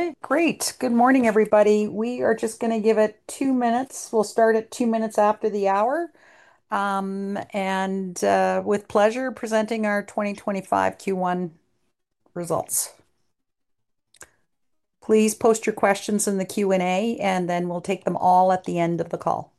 Okay, great. Good morning, everybody. We are just going to give it two minutes. We'll start at two minutes after the hour, and, with pleasure, presenting our 2025 Q1 results. Please post your questions in the Q&A, and then we'll take them all at the end of the call.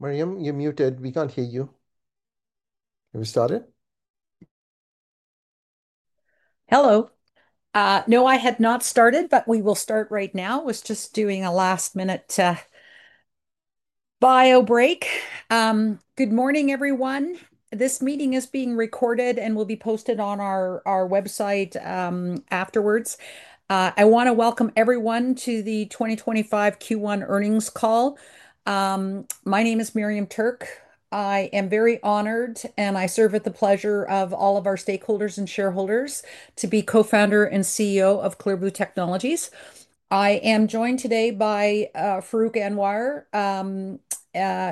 Mariam, you're muted. We can't hear you. Have you started? Hello. No, I had not started, but we will start right now. I was just doing a last-minute bio break. Good morning, everyone. This meeting is being recorded and will be posted on our website afterwards. I want to welcome everyone to the 2025 Q1 Earnings Call. My name is Miriam Tuerk. I am very honored, and I serve at the pleasure of all of our stakeholders and shareholders to be co-founder and CEO of Clear Blue Technologies. I am joined today by Farrukh Anwar,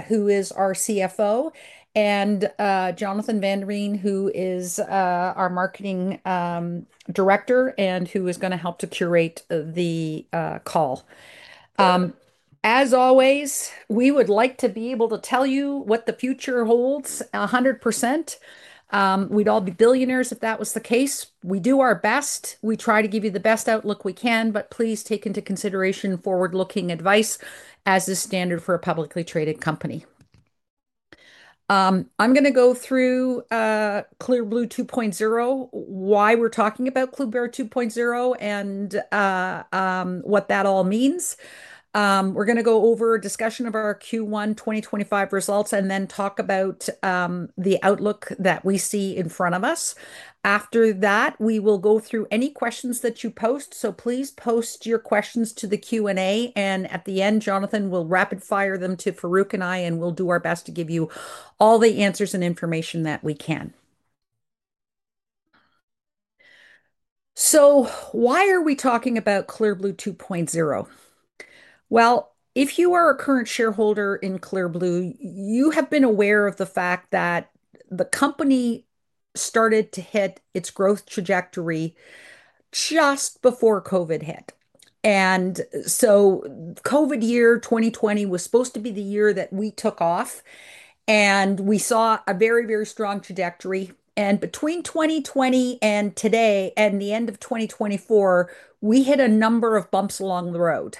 who is our CFO, and Jonathan van der Veen, who is our Marketing Director and who is going to help to curate the call. As always, we would like to be able to tell you what the future holds 100%. We'd all be billionaires if that was the case. We do our best. We try to give you the best outlook we can, but please take into consideration forward-looking advice as the standard for a publicly traded company. I'm going to go through Clear Blue 2.0, why we're talking about Clear Blue 2.0, and what that all means. We're going to go over a discussion of our Q1 2025 results and then talk about the outlook that we see in front of us. After that, we will go through any questions that you post. Please post your questions to the Q&A. At the end, Jonathan will rapid-fire them to Farrukh and I, and we'll do our best to give you all the answers and information that we can. Why are we talking about Clear Blue 2.0? If you are a current shareholder in Clear Blue, you have been aware of the fact that the company started to hit its growth trajectory just before COVID hit. COVID year 2020 was supposed to be the year that we took off, and we saw a very, very strong trajectory. Between 2020 and today, and the end of 2024, we hit a number of bumps along the road.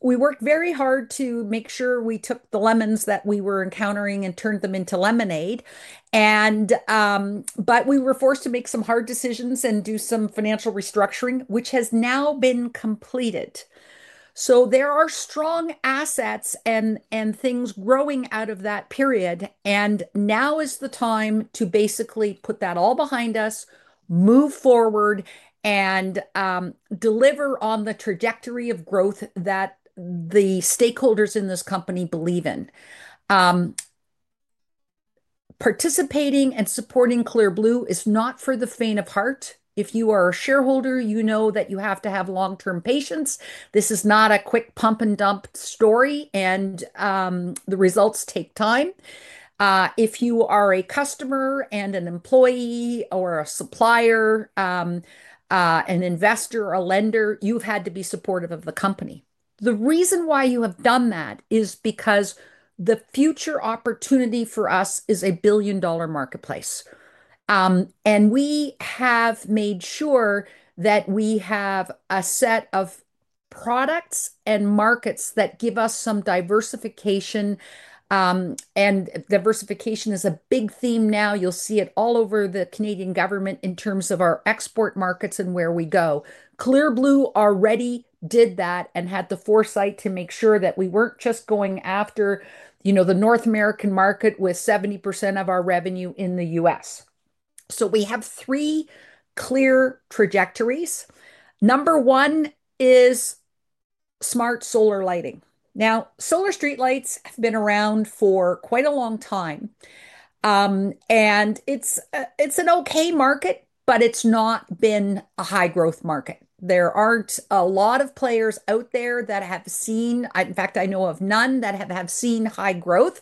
We worked very hard to make sure we took the lemons that we were encountering and turned them into lemonade. We were forced to make some hard decisions and do some financial restructuring, which has now been completed. There are strong assets and things growing out of that period. Now is the time to basically put that all behind us, move forward, and deliver on the trajectory of growth that the stakeholders in this company believe in. Participating and supporting Clear Blue is not for the faint of heart. If you are a shareholder, you know that you have to have long-term patience. This is not a quick pump-and-dump story, and the results take time. If you are a customer and an employee or a supplier, an investor, a lender, you have had to be supportive of the company. The reason why you have done that is because the future opportunity for us is a billion-dollar marketplace, and we have made sure that we have a set of products and markets that give us some diversification. Diversification is a big theme now. You'll see it all over the Canadian government in terms of our export markets and where we go. Clear Blue already did that and had the foresight to make sure that we weren't just going after, you know, the North American market with 70% of our revenue in the U.S.. We have three clear trajectories. Number one is Smart Solar Lighting. Now, solar streetlights have been around for quite a long time, and it's, it's an okay market, but it's not been a high-growth market. There aren't a lot of players out there that have seen, in fact, I know of none that have seen high growth.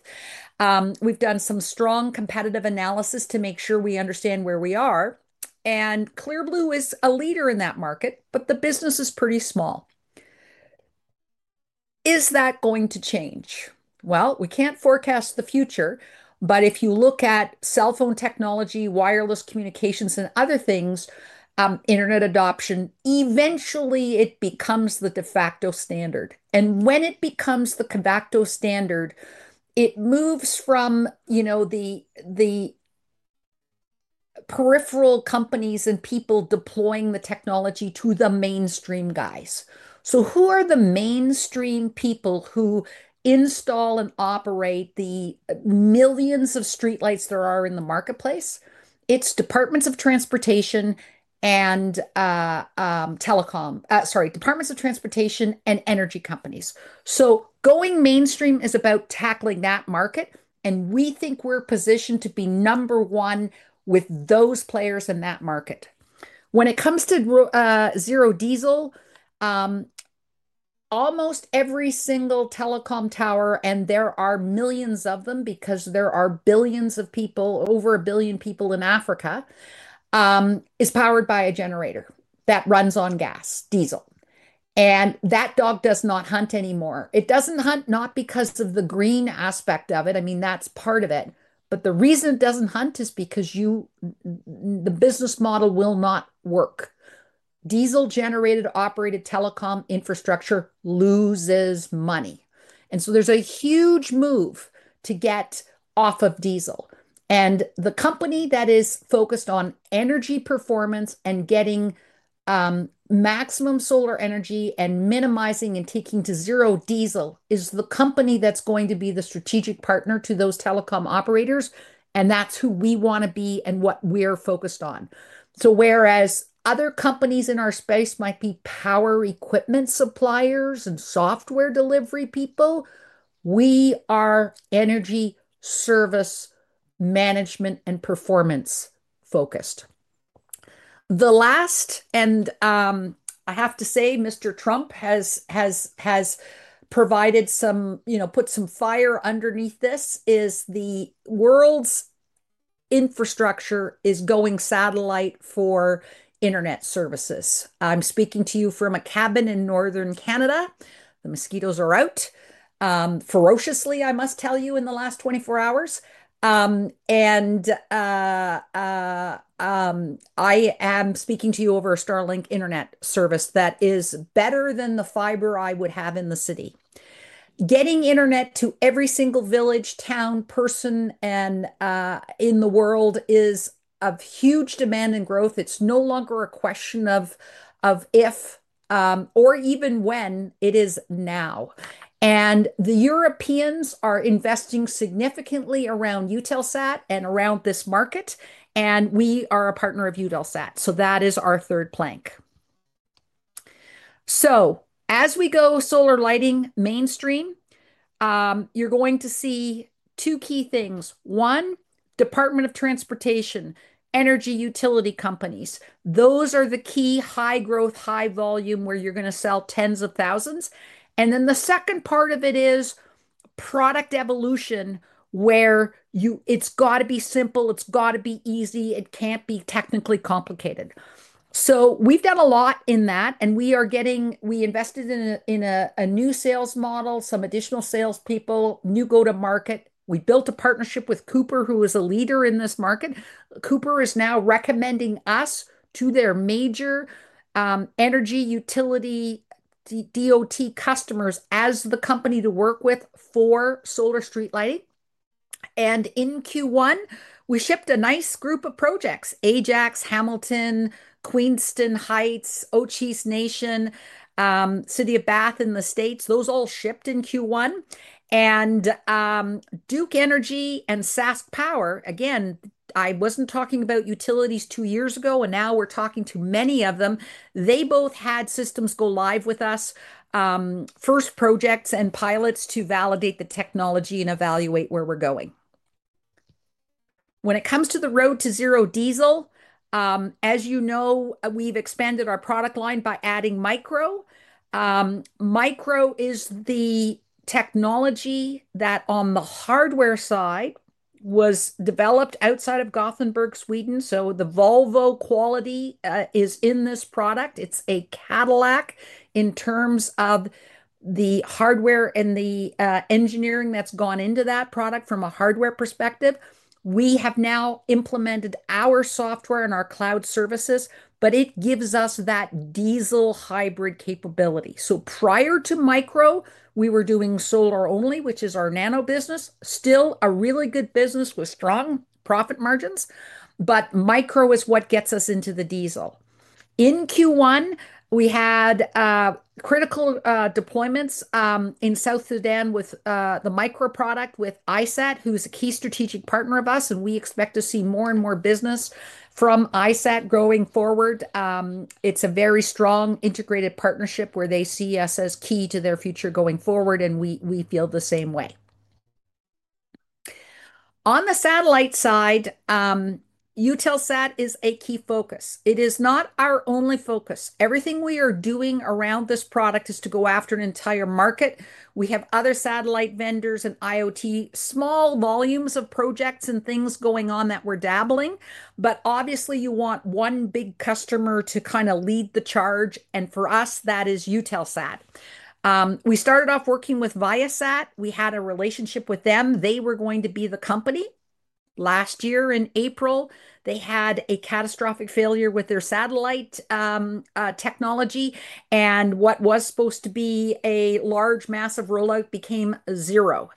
We've done some strong competitive analysis to make sure we understand where we are. Clear Blue is a leader in that market, but the business is pretty small. Is that going to change? We can't forecast the future, but if you look at cell phone technology, wireless communications, and other things, internet adoption, eventually it becomes the de facto standard. When it becomes the de facto standard, it moves from, you know, the peripheral companies and people deploying the technology to the mainstream guys. Who are the mainstream people who install and operate the millions of streetlights there are in the marketplace? It's departments of transportation and, telecom, sorry, departments of transportation and energy companies. Going mainstream is about tackling that market, and we think we're positioned to be number one with those players in that market. When it comes to zero diesel, almost every single telecom tower, and there are millions of them because there are billions of people, over a billion people in Africa, is powered by a generator that runs on gas, diesel. That dog does not hunt anymore. It does not hunt, not because of the green aspect of it. I mean, that is part of it. The reason it does not hunt is because the business model will not work. Diesel-generated, operated telecom infrastructure loses money. There is a huge move to get off of diesel. The company that is focused on energy performance and getting maximum solar energy and minimizing and taking to zero diesel is the company that is going to be the strategic partner to those telecom operators. That is who we want to be and what we are focused on. Whereas other companies in our space might be power equipment suppliers and software delivery people, we are energy service management and performance focused. The last, and, I have to say, Mr.Trump has provided some, you know, put some fire underneath this as the world's infrastructure is going satellite for internet services. I'm speaking to you from a cabin in Northern Canada. The mosquitoes are out, ferociously, I must tell you, in the last 24 hours. I am speaking to you over a Starlink internet service that is better than the fiber I would have in the city. Getting internet to every single village, town, person, in the world is of huge demand and growth. It's no longer a question of if, or even when; it is now. The Europeans are investing significantly around Eutelsat and around this market. We are a partner of Eutelsat. That is our third plank. As we go solar lighting mainstream, you're going to see two key things. One, Department of Transportation, energy utility companies. Those are the key high-growth, high-volume where you're going to sell tens of thousands. The second part of it is product evolution where you, it's got to be simple, it's got to be easy, it can't be technically complicated. We have done a lot in that, and we are getting, we invested in a new sales model, some additional salespeople, new go-to-market. We built a partnership with Cooper, who is a leader in this market. Cooper is now recommending us to their major energy utility DOT customers as the company to work with for solar street lighting. In Q1, we shipped a nice group of projects: Ajax, Hamilton, Queenston Heights, Osoyoos Nation, City of Bath in the States. Those all shipped in Q1. Duke Energy and Sask Power, again, I was not talking about utilities two years ago, and now we are talking to many of them. They both had systems go live with us, first projects and pilots to validate the technology and evaluate where we are going. When it comes to the Road to Zero Diesel, as you know, we have expanded our product line by adding Micro. Micro is the technology that on the hardware side was developed outside of Gothenburg, Sweden. The Volvo quality is in this product. It is a Cadillac in terms of the hardware and the engineering that has gone into that product from a hardware perspective. We have now implemented our software and our cloud services, but it gives us that diesel hybrid capability. Prior to Micro, we were doing solar only, which is our nano business, still a really good business with strong profit margins, but Micro is what gets us into the diesel. In Q1, we had critical deployments in South Sudan with the Micro product with iSAT, who's a key strategic partner of us, and we expect to see more and more business from iSAT going forward. It's a very strong integrated partnership where they see us as key to their future going forward, and we feel the same way. On the satellite side, Eutelsat is a key focus. It is not our only focus. Everything we are doing around this product is to go after an entire market. We have other satellite vendors and IoT, small volumes of projects and things going on that we're dabbling, but obviously you want one big customer to kind of lead the charge, and for us, that is Eutelsat. We started off working with Viasat. We had a relationship with them. They were going to be the company. Last year in April, they had a catastrophic failure with their satellite technology, and what was supposed to be a large massive rollout became zero.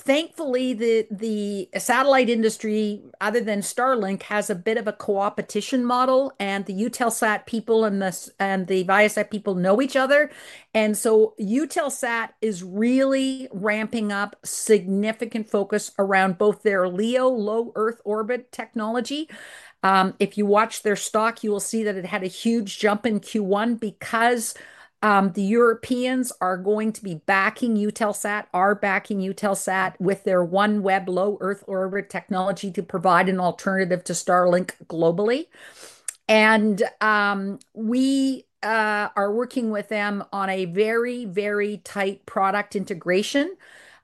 Thankfully, the satellite industry, other than Starlink, has a bit of a co-opetition model, and the Eutelsat people and the Viasat people know each other. Eutelsat is really ramping up significant focus around both their LEO Low Earth Orbit technology. If you watch their stock, you will see that it had a huge jump in Q1 because the Europeans are going to be backing Eutelsat, are backing Eutelsat with their OneWeb Low Earth Orbit technology to provide an alternative to Starlink globally. We are working with them on a very, very tight product integration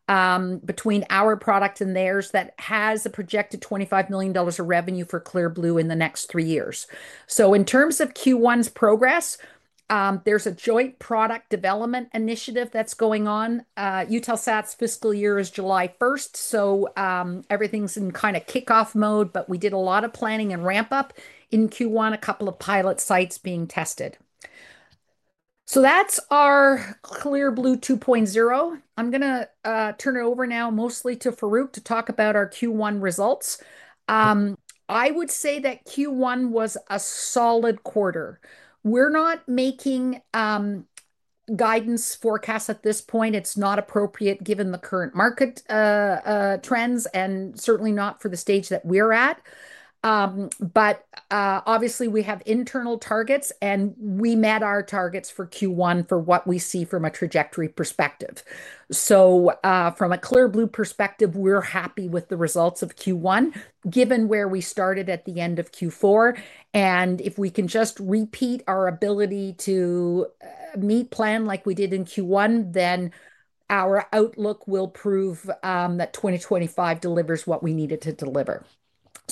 between our product and theirs that has a projected $25 million of revenue for Clear Blue in the next three years. In terms of Q1's progress, there is a joint product development initiative that is going on. Eutelsat's fiscal year is July 1st, so everything is in kind of kickoff mode, but we did a lot of planning and ramp up in Q1, a couple of pilot sites being tested. That is our Clear Blue 2.0. I am going to turn it over now mostly to Farrukh to talk about our Q1 results. I would say that Q1 was a solid quarter. We're not making guidance forecasts at this point. It's not appropriate given the current market trends and certainly not for the stage that we're at. But, obviously we have internal targets and we met our targets for Q1 for what we see from a trajectory perspective. From a Clear Blue perspective, we're happy with the results of Q1 given where we started at the end of Q4. If we can just repeat our ability to meet plan like we did in Q1, our outlook will prove that 2025 delivers what we needed to deliver.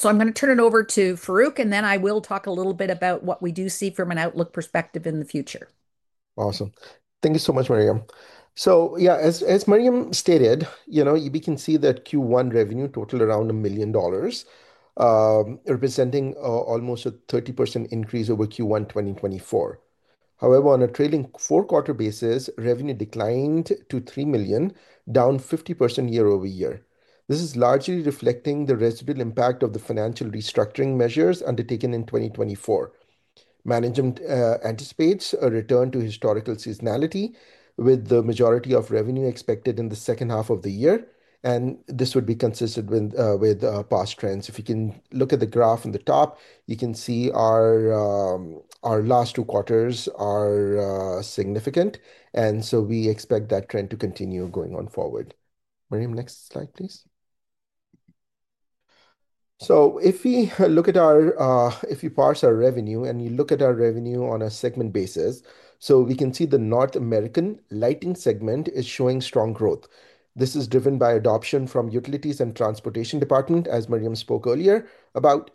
I'm going to turn it over to Farrukh and then I will talk a little bit about what we do see from an outlook perspective in the future. Awesome. Thank you so much, Mariam. Yeah, as Mariam stated, you know, we can see that Q1 revenue totaled around $1 million, representing almost a 30% increase over Q1 2024. However, on a trailing four-quarter basis, revenue declined to $3 million, down 50% year-over-year. This is largely reflecting the residual impact of the financial restructuring measures undertaken in 2024. Management anticipates a return to historical seasonality with the majority of revenue expected in the second half of the year. This would be consistent with past trends. If you can look at the graph on the top, you can see our last two quarters are significant. We expect that trend to continue going on forward. Mariam, next slide please. If you parse our revenue and you look at our revenue on a segment basis, we can see the North American lighting segment is showing strong growth. This is driven by adoption from utilities and transportation department, as Mariam spoke earlier about.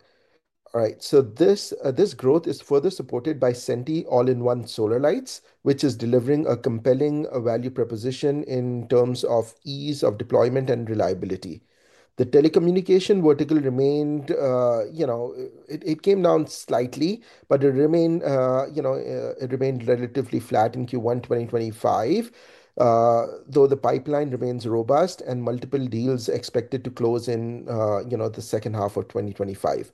This growth is further supported by SENTI all-in-one solar lights, which is delivering a compelling value proposition in terms of ease of deployment and reliability. The telecommunication vertical remained, you know, it came down slightly, but it remained, you know, it remained relatively flat in Q1 2025, though the pipeline remains robust and multiple deals expected to close in, you know, the second half of 2025.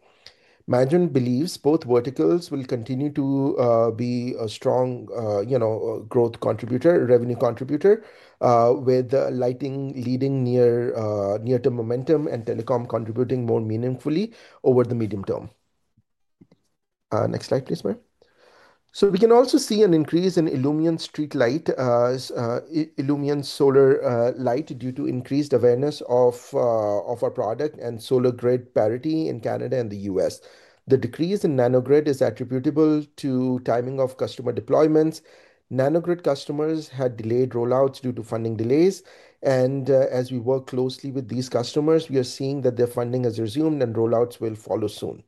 Management believes both verticals will continue to be a strong, you know, growth contributor, revenue contributor, with the lighting leading near-term momentum and telecom contributing more meaningfully over the medium-term. Next slide please, Mariam. We can also see an increase in Illumian Street Light, Illumian Solar Light due to increased awareness of our product and solar grid parity in Canada and the U.S.. The decrease in Nanogrid is attributable to timing of customer deployments. Nanogrid customers had delayed rollouts due to funding delays. As we work closely with these customers, we are seeing that their funding has resumed and rollouts will follow soon.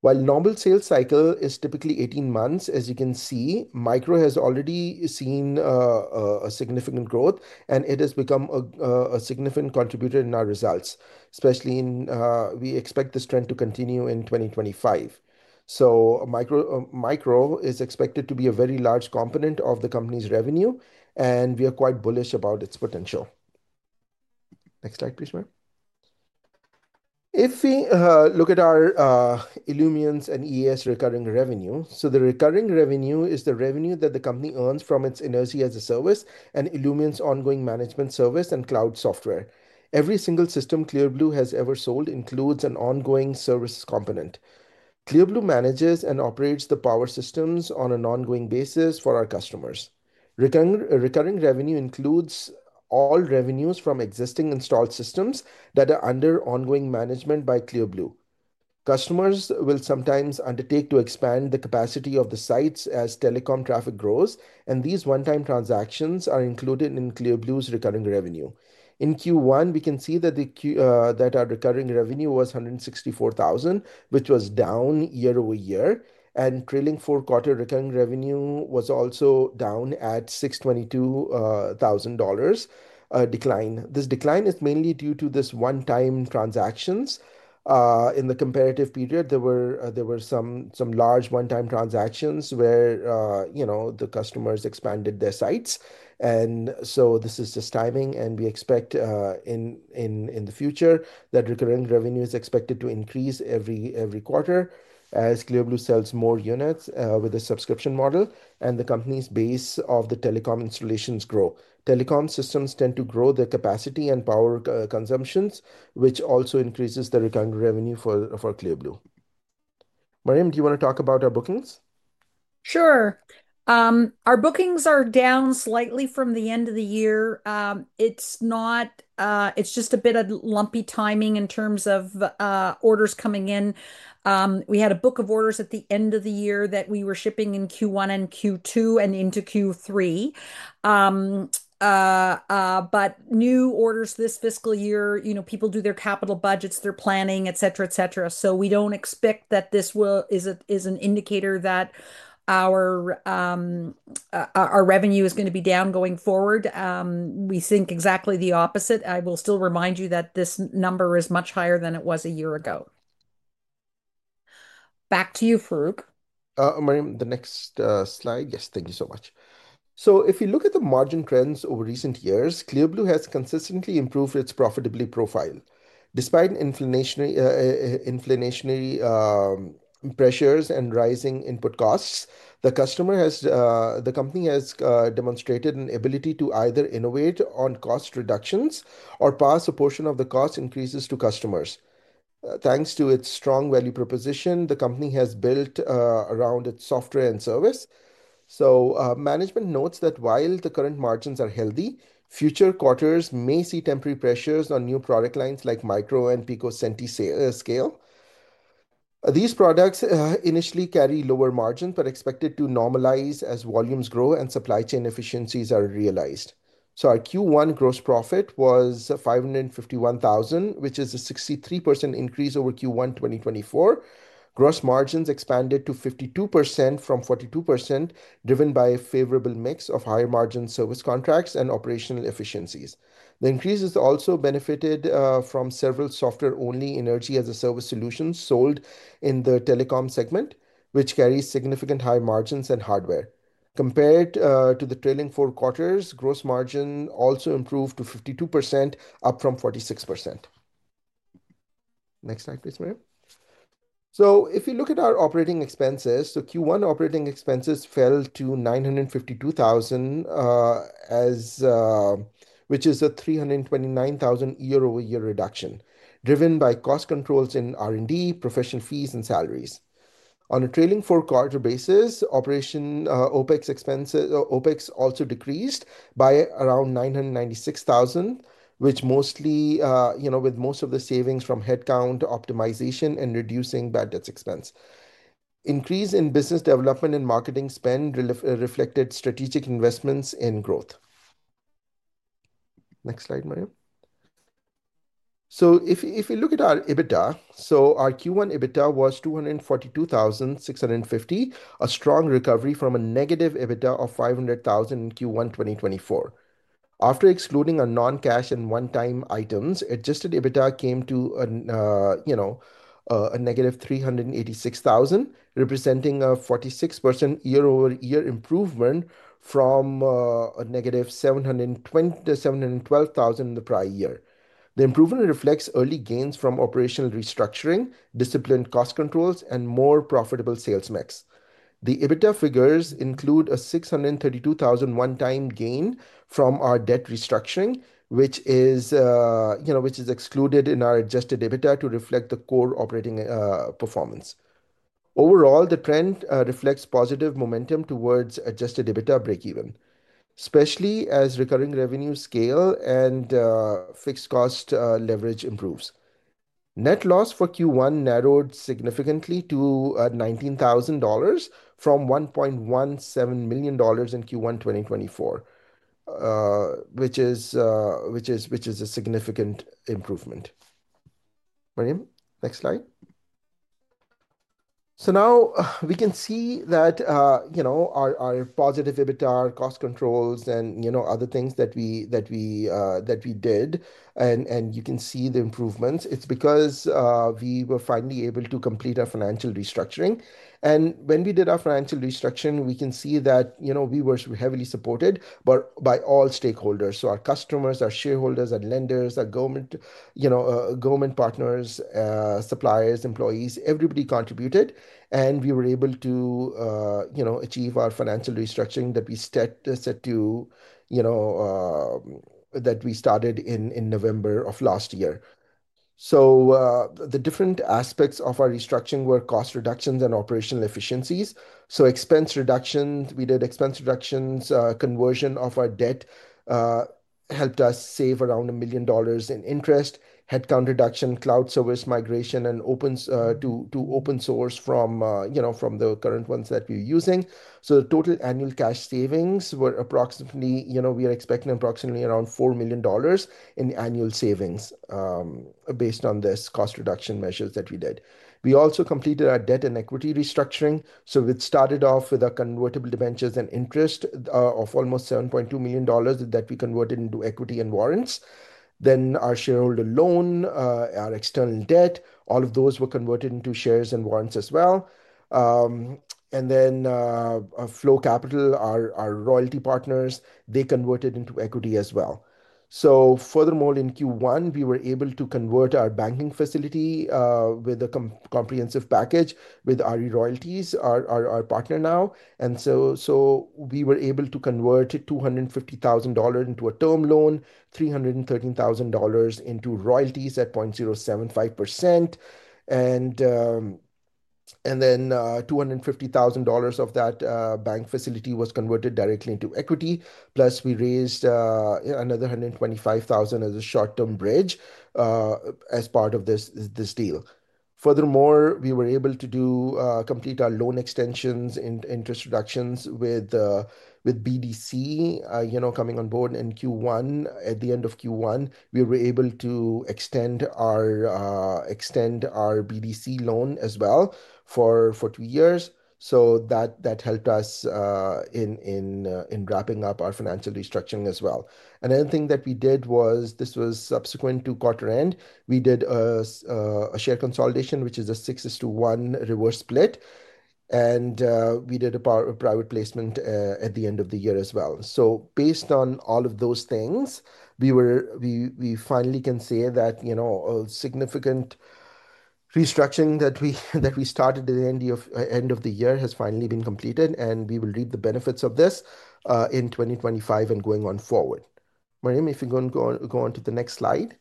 While normal sales cycle is typically 18 months, as you can see, Micro has already seen significant growth and it has become a significant contributor in our results, especially in, we expect this trend to continue in 2025. Micro is expected to be a very large component of the company's revenue and we are quite bullish about its potential. Next slide please, Mariam. If we look at our Illumions and EAS recurring revenue. The recurring revenue is the revenue that the company earns from its Inersia as a service and Illumions ongoing management service and cloud software. Every single system Clear Blue has ever sold includes an ongoing service component. Clear Blue manages and operates the power systems on an ongoing basis for our customers. Recurring revenue includes all revenues from existing installed systems that are under ongoing management by Clear Blue. Customers will sometimes undertake to expand the capacity of the sites as telecom traffic grows, and these one-time transactions are included in Clear Blue's recurring revenue. In Q1, we can see that our recurring revenue was $164,000, which was down year-over-year, and trailing four-quarter recurring revenue was also down at $622,000. This decline is mainly due to these one-time transactions. In the comparative period, there were some large one-time transactions where, you know, the customers expanded their sites. This is just timing, and we expect in the future that recurring revenue is expected to increase every quarter as Clear Blue sells more units with a subscription model and the company's base of the telecom installations grow. Telecom systems tend to grow their capacity and power consumptions, which also increases the recurring revenue for Clear Blue. Mariam, do you want to talk about our bookings? Sure. Our bookings are down slightly from the end of the year. It's not, it's just a bit of lumpy timing in terms of orders coming in. We had a book of orders at the end of the year that we were shipping in Q1 and Q2 and into Q3. New orders this fiscal year, you know, people do their capital budgets, their planning, et cetera, et cetera. We don't expect that this is an indicator that our revenue is going to be down going forward. We think exactly the opposite. I will still remind you that this number is much higher than it was a year ago. Back to you, Farrukh. Mariam, the next slide. Yes, thank you so much. If you look at the margin trends over recent years, Clear Blue has consistently improved its profitability profile. Despite inflationary pressures and rising input costs, the company has demonstrated an ability to either innovate on cost reductions or pass a portion of the cost increases to customers. Thanks to its strong value proposition, the company has built around its software and service. Management notes that while the current margins are healthy, future quarters may see temporary pressures on new product lines like Micro and Pico SENTI scale. These products initially carry lower margins but are expected to normalize as volumes grow and supply chain efficiencies are realized. Our Q1 gross profit was $551,000, which is a 63% increase over Q1 2024. Gross margins expanded to 52% from 42%, driven by a favorable mix of higher margin service contracts and operational efficiencies. The increase has also benefited from several software-only Energy-as-a-Service solutions sold in the telecom segment, which carries significant high margins and hardware. Compared to the trailing four quarters, gross margin also improved to 52%, up from 46%. Next slide please, Mariam. If you look at our operating expenses, Q1 operating expenses fell to $952,000, which is a $329,000 year-over-year reduction driven by cost controls in R&D, professional fees, and salaries. On a trailing four-quarter basis, operating expenses, OpEx also decreased by around $996,000, with most of the savings from headcount optimization and reducing bad debt expense. Increase in business development and marketing spend reflected strategic investments in growth. Next slide, Mariam. If you look at our EBITDA, our Q1 EBITDA was $242,650, a strong recovery from a negative EBITDA of $500,000 in Q1 2024. After excluding our non-cash and one-time items, adjusted EBITDA came to a, you know, a negative $386,000, representing a 46% year-over-year improvement from a negative $720,000-$712,000 in the prior year. The improvement reflects early gains from operational restructuring, disciplined cost controls, and more profitable sales mix. The EBITDA figures include a $632,000 one-time gain from our debt restructuring, which is, you know, which is excluded in our adjusted EBITDA to reflect the core operating performance. Overall, the trend reflects positive momentum towards adjusted EBITDA breakeven, especially as recurring revenue scale and fixed cost leverage improves. Net loss for Q1 narrowed significantly to $19,000 from $1.17 million in Q1 2024, which is a significant improvement. Mariam, next slide. Now we can see that, you know, our positive EBITDA, our cost controls, and, you know, other things that we did, and you can see the improvements. It's because we were finally able to complete our financial restructuring. When we did our financial restructuring, we can see that, you know, we were heavily supported by all stakeholders. Our customers, our shareholders, our lenders, our government, you know, government partners, suppliers, employees, everybody contributed, and we were able to, you know, achieve our financial restructuring that we set to, you know, that we started in November of last year. The different aspects of our restructuring were cost reductions and operational efficiencies. Expense reductions, we did expense reductions, conversion of our debt, helped us save around $1 million in interest, headcount reduction, cloud service migration, and open, to open source from, you know, from the current ones that we're using. The total annual cash savings were approximately, you know, we are expecting approximately around $4 million in annual savings, based on this cost reduction measures that we did. We also completed our debt and equity restructuring. We started off with our convertible debentures and interest, of almost $7.2 million that we converted into equity and warrants. Then our shareholder loan, our external debt, all of those were converted into shares and warrants as well. Flow Capital, our royalty partners, they converted into equity as well. Furthermore, in Q1, we were able to convert our banking facility, with a comprehensive package with RE Royalties, our partner now. We were able to convert $250,000 into a term loan, $313,000 into royalties at 0.075%. Then, $250,000 of that bank facility was converted directly into equity. Plus, we raised another $125,000 as a short-term bridge, as part of this deal. Furthermore, we were able to complete our loan extensions and interest reductions with BDC, you know, coming on board in Q1. At the end of Q1, we were able to extend our BDC loan as well for two years. That helped us in wrapping up our financial restructuring as well. Another thing that we did was, this was subsequent to quarter end, we did a share consolidation, which is a 6-to-1 reverse split. We did a private placement at the end of the year as well. Based on all of those things, we finally can say that, you know, a significant restructuring that we started at the end of the year has finally been completed and we will reap the benefits of this in 2025 and going on forward. Mariam, if you're going to go on to the next slide.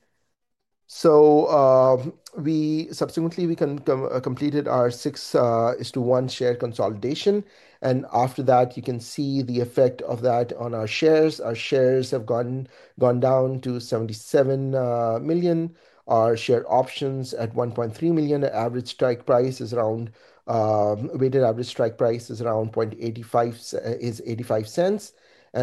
We subsequently completed our 6-to-1 share consolidation. After that, you can see the effect of that on our shares. Our shares have gone down to 77 million. Our share options at 1.3 million. The average strike price is around, weighted average strike price is around $0.85, is 85 cents.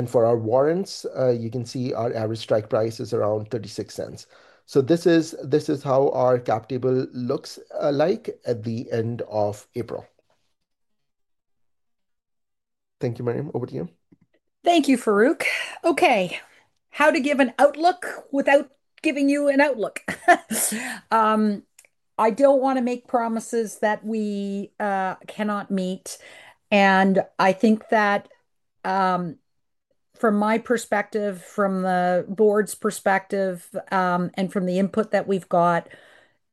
For our warrants, you can see our average strike price is around 36 cents. This is how our cap table looks like at the end of April. Thank you, Mariam. Over to you. Thank you, Farrukh. Okay. How to give an outlook without giving you an outlook? I do not want to make promises that we cannot meet. I think that, from my perspective, from the board's perspective, and from the input that we have got,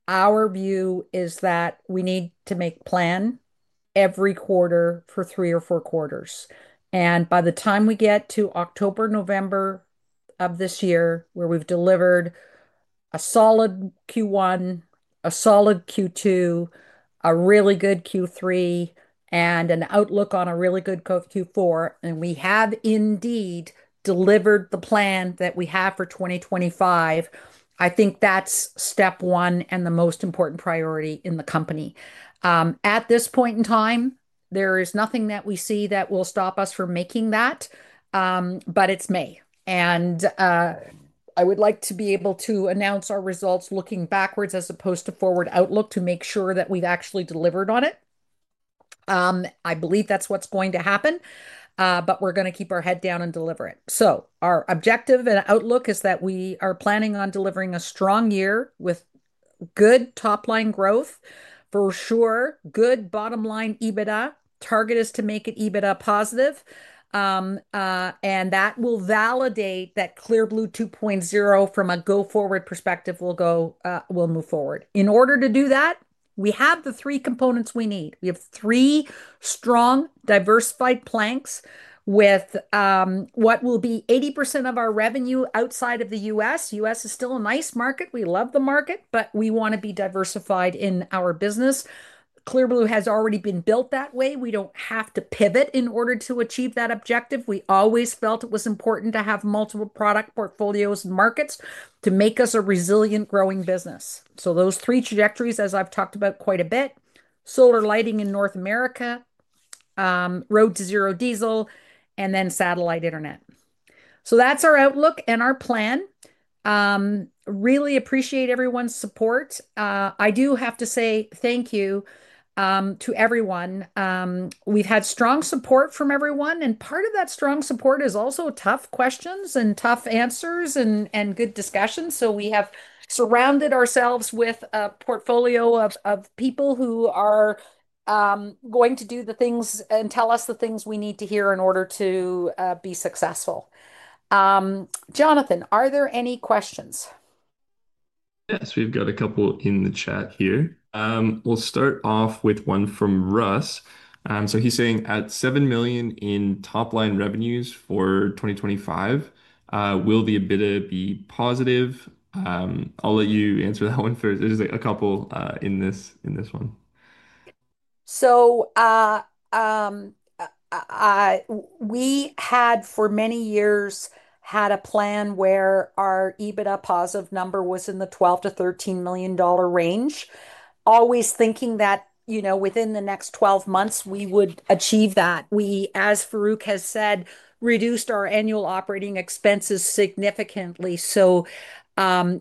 our view is that we need to make a plan every quarter for three or four quarters. By the time we get to October, November of this year, where we have delivered a solid Q1, a solid Q2, a really good Q3, and an outlook on a really good Q4, and we have indeed delivered the plan that we have for 2025, I think that is step one and the most important priority in the company. At this point in time, there is nothing that we see that will stop us from making that, but it is May. I would like to be able to announce our results looking backwards as opposed to forward outlook to make sure that we have actually delivered on it. I believe that is what is going to happen, but we are going to keep our head down and deliver it. Our objective and outlook is that we are planning on delivering a strong year with good top-line growth for sure, good bottom-line EBITDA. Target is to make it EBITDA positive. That will validate that Clear Blue 2.0 from a go forward perspective will move forward. In order to do that, we have the three components we need. We have three strong, diversified planks with what will be 80% of our revenue outside of the U.S.. U.S. is still a nice market. We love the market, but we want to be diversified in our business. Clear Blue has already been built that way. We do not have to pivot in order to achieve that objective. We always felt it was important to have multiple product portfolios and markets to make us a resilient, growing business. Those three trajectories, as I have talked about quite a bit, are solar lighting in North America, Road to Zero Diesel, and then satellite internet. That is our outlook and our plan. Really appreciate everyone's support. I do have to say thank you to everyone. We've had strong support from everyone. Part of that strong support is also tough questions and tough answers and good discussions. We have surrounded ourselves with a portfolio of people who are going to do the things and tell us the things we need to hear in order to be successful. Jonathan, are there any questions? Yes, we've got a couple in the chat here. We'll start off with one from Russ. He's saying at $7 million in top-line revenues for 2025, will the EBITDA be positive? I'll let you answer that one first. There's a couple in this one. We had for many years had a plan where our EBITDA positive number was in the $12 million-$13 million range, always thinking that, you know, within the next 12 months, we would achieve that. We, as Farrukh has said, reduced our annual operating expenses significantly.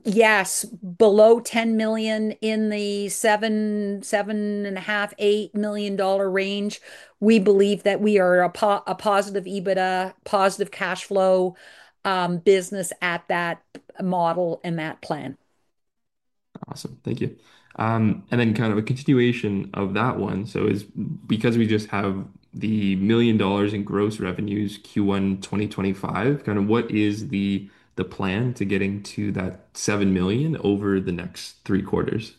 Yes, below $10 million in the $7 million-$7.5 million-$8 million range, we believe that we are a positive EBITDA, positive cash-flow business at that model and that plan. Awesome. Thank you. And then kind of a continuation of that one. Is it because we just have the $1 million in gross revenues Q1 2025, kind of what is the plan to getting to that $7 million over the next three quarters?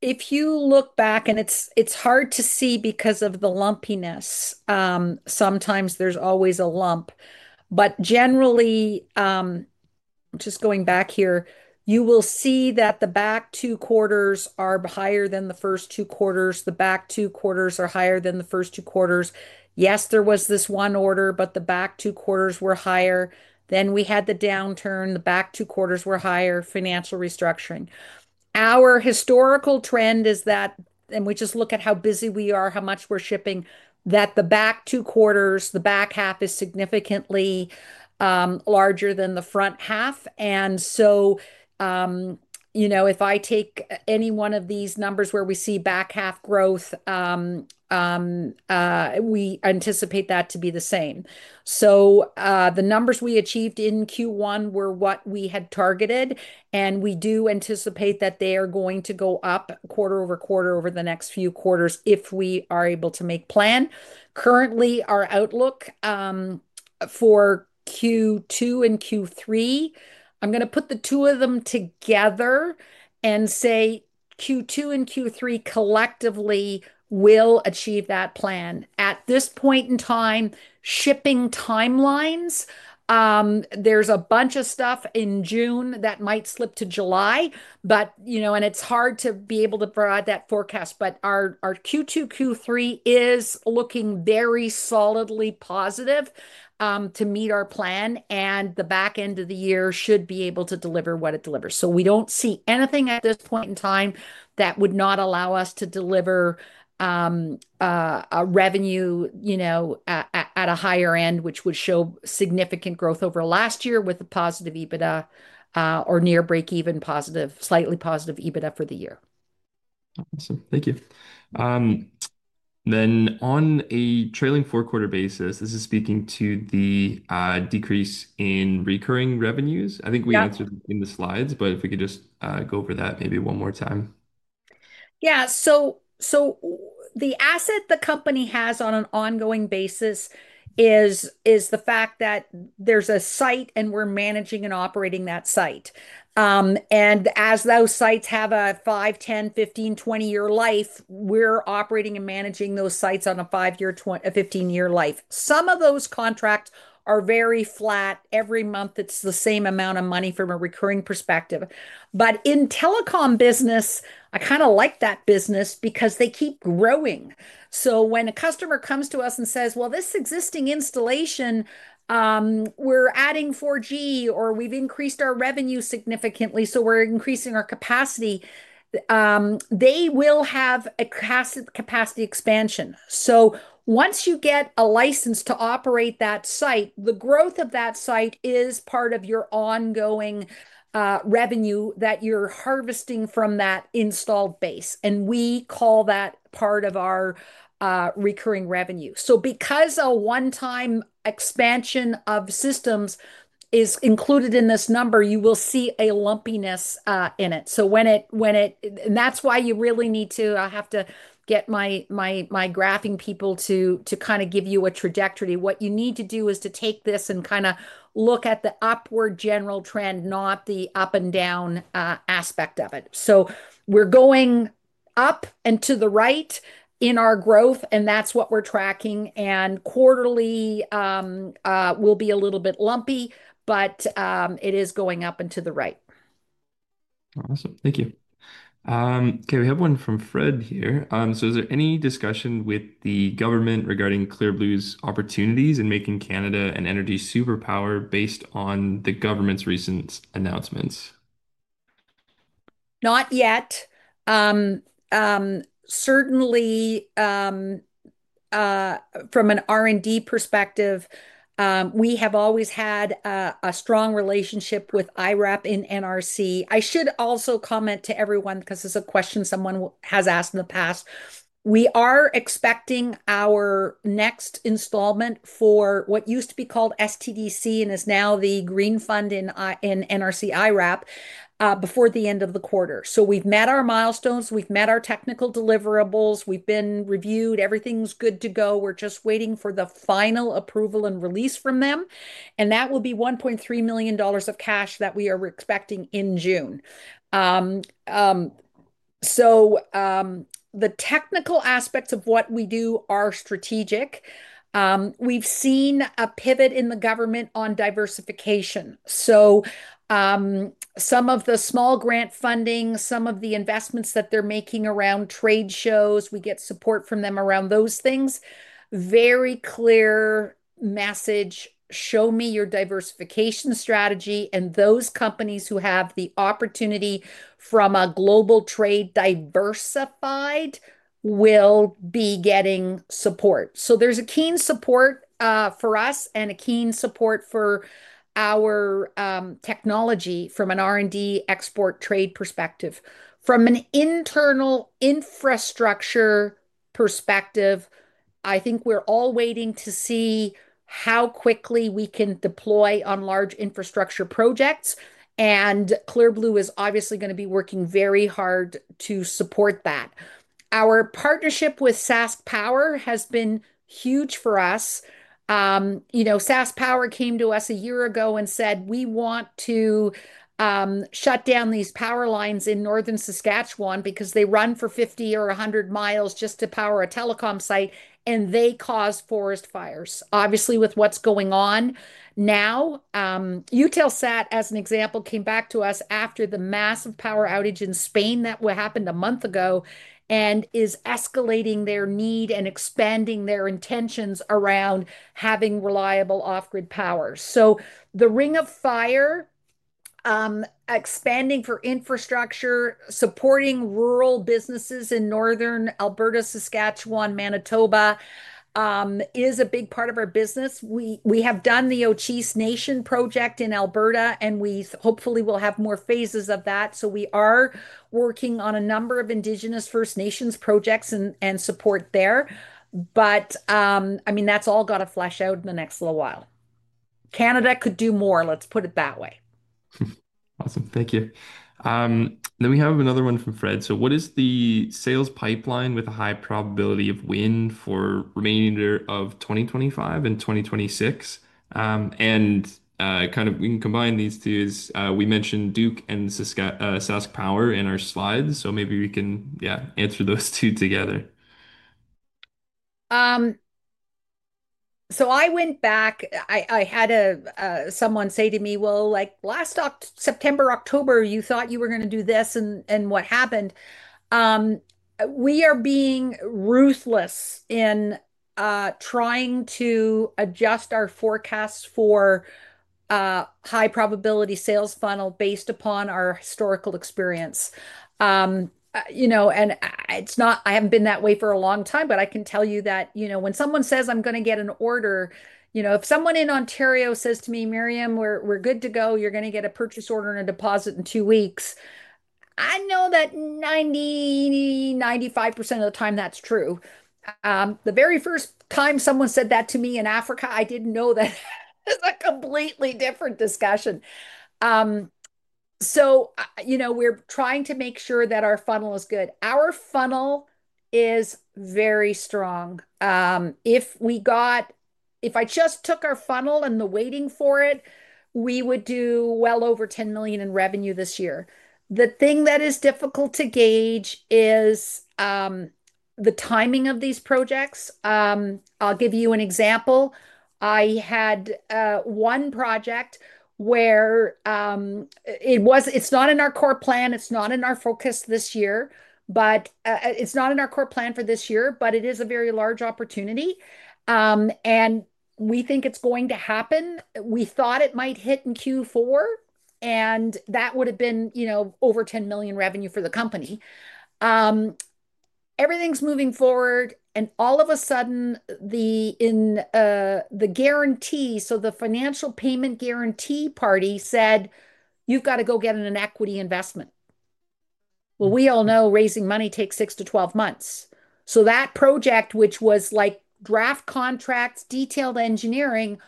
If you look back, and it's hard to see because of the lumpiness, sometimes there's always a lump, but generally, I'm just going back here, you will see that the back two quarters are higher than the first two quarters. The back two quarters are higher than the first two quarters. Yes, there was this one order, but the back two quarters were higher. Then we had the downturn. The back two quarters were higher. Financial restructuring. Our historical trend is that, and we just look at how busy we are, how much we're shipping, that the back two quarters, the back half is significantly larger than the front half. And, you know, if I take any one of these numbers where we see back half growth, we anticipate that to be the same. The numbers we achieved in Q1 were what we had targeted, and we do anticipate that they are going to go up quarter-over-quarter over the next few quarters if we are able to make a plan. Currently, our outlook for Q2 and Q3, I'm going to put the two of them together and say Q2 and Q3 collectively will achieve that plan at this point in time. Shipping timelines, there's a bunch of stuff in June that might slip to July, but, you know, it's hard to be able to provide that forecast, but our Q2, Q3 is looking very solidly positive to meet our plan, and the back end of the year should be able to deliver what it delivers. We do not see anything at this point in time that would not allow us to deliver a revenue, you know, at a higher end, which would show significant growth over last year with a positive EBITDA, or near breakeven, positive, slightly positive EBITDA for the year. Awesome. Thank you. On a trailing four quarter basis, this is speaking to the decrease in recurring revenues. I think we answered in the slides, but if we could just go over that maybe one more time. Yeah. The asset the company has on an ongoing basis is the fact that there is a site and we are managing and operating that site. As those sites have a five, 10, 15, 20 year life, we are operating and managing those sites on a five year, a 15 year life. Some of those contracts are very flat. Every month it's the same amount of money from a recurring perspective. In telecom business, I kind of like that business because they keep growing. When a customer comes to us and says, well, this existing installation, we're adding 4G or we've increased our revenue significantly, so we're increasing our capacity, they will have a capacity expansion. Once you get a license to operate that site, the growth of that site is part of your ongoing revenue that you're harvesting from that installed base. We call that part of our recurring revenue. Because a one-time expansion of systems is included in this number, you will see a lumpiness in it. That is why you really need to, I have to get my graphing people to kind of give you a trajectory. What you need to do is to take this and kind of look at the upward general trend, not the up and down aspect of it. We are going up and to the right in our growth, and that's what we're tracking. Quarterly will be a little bit lumpy, but it is going up and to the right. Awesome. Thank you. Okay. We have one from Fred here. Is there any discussion with the government regarding Clear Blue's opportunities in making Canada an energy superpower based on the government's recent announcements? Not yet. Certainly, from an R&D perspective, we have always had a strong relationship with IRAP in NRC. I should also comment to everyone because it's a question someone has asked in the past. We are expecting our next installment for what used to be called STDC and is now the Green Fund in NRC IRAP, before the end of the quarter. We have met our milestones. We have met our technical deliverables. We have been reviewed. Everything is good to go. We are just waiting for the final approval and release from them. That will be $1.3 million of cash that we are expecting in June. The technical aspects of what we do are strategic. We have seen a pivot in the government on diversification. Some of the small grant funding, some of the investments that they are making around trade shows, we get support from them around those things. Very clear message. Show me your diversification strategy. Those companies who have the opportunity from a global trade diversified will be getting support. There is a keen support for us and a keen support for our technology from an R&D export trade perspective. From an internal infrastructure perspective, I think we are all waiting to see how quickly we can deploy on large infrastructure projects. Clear Blue is obviously going to be working very hard to support that. Our partnership with Sask Power has been huge for us. You know, Sask Power came to us a year ago and said, we want to shut down these power lines in Northern Saskatchewan because they run for 50 or 100 miles just to power a telecom site. They cause forest fires, obviously with what is going on now. Eutelsat, as an example, came back to us after the massive power outage in Spain that happened a month ago and is escalating their need and expanding their intentions around having reliable off-grid power. The Ring of Fire, expanding for infrastructure, supporting rural businesses in Northern Alberta, Saskatchewan, Manitoba, is a big part of our business. We have done the Osoyoos Nation project in Alberta, and we hopefully will have more phases of that. We are working on a number of Indigenous First Nations projects and support there. I mean, that's all got to flesh out in the next little while. Canada could do more. Let's put it that way. Awesome. Thank you. We have another one from Fred. What is the sales pipeline with a high probability of win for remainder of 2025 and 2026? We can combine these two. We mentioned Duke and Sask Power in our slides. Maybe we can answer those two together. I went back, I had someone say to me, like last September, October, you thought you were going to do this and what happened? We are being ruthless in trying to adjust our forecast for high probability sales funnel based upon our historical experience. You know, and it's not, I haven't been that way for a long time, but I can tell you that, you know, when someone says, I'm going to get an order, you know, if someone in Ontario says to me, Miriam, we're good to go, you're going to get a purchase order and a deposit in two weeks. I know that 90%-95% of the time that's true. The very first time someone said that to me in Africa, I didn't know that it's a completely different discussion. You know, we're trying to make sure that our funnel is good. Our funnel is very strong. If I just took our funnel and the weighting for it, we would do well over $10 million in revenue this year. The thing that is difficult to gauge is the timing of these projects. I'll give you an example. I had one project where it was, it's not in our core plan. It's not in our focus this year, but it's not in our core plan for this year, but it is a very large opportunity, and we think it's going to happen. We thought it might hit in Q4 and that would have been, you know, over $10 million revenue for the company. Everything's moving forward and all of a sudden, the guarantee, so the financial payment guarantee party said, you've got to go get an equity investment. We all know raising money takes 6-12 months. That project, which was like draft contracts, detailed engineering,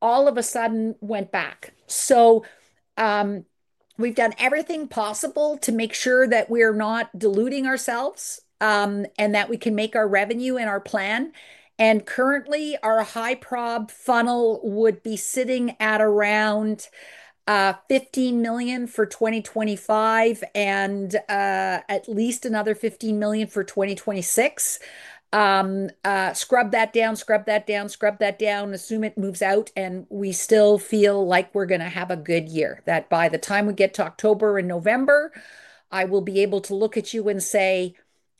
all of a sudden went back. We've done everything possible to make sure that we are not diluting ourselves, and that we can make our revenue and our plan. Currently our high prob funnel would be sitting at around $15 million for 2025 and at least another $15 million for 2026. Scrub that down, assume it moves out and we still feel like we're going to have a good year, that by the time we get to October and November, I will be able to look at you and say,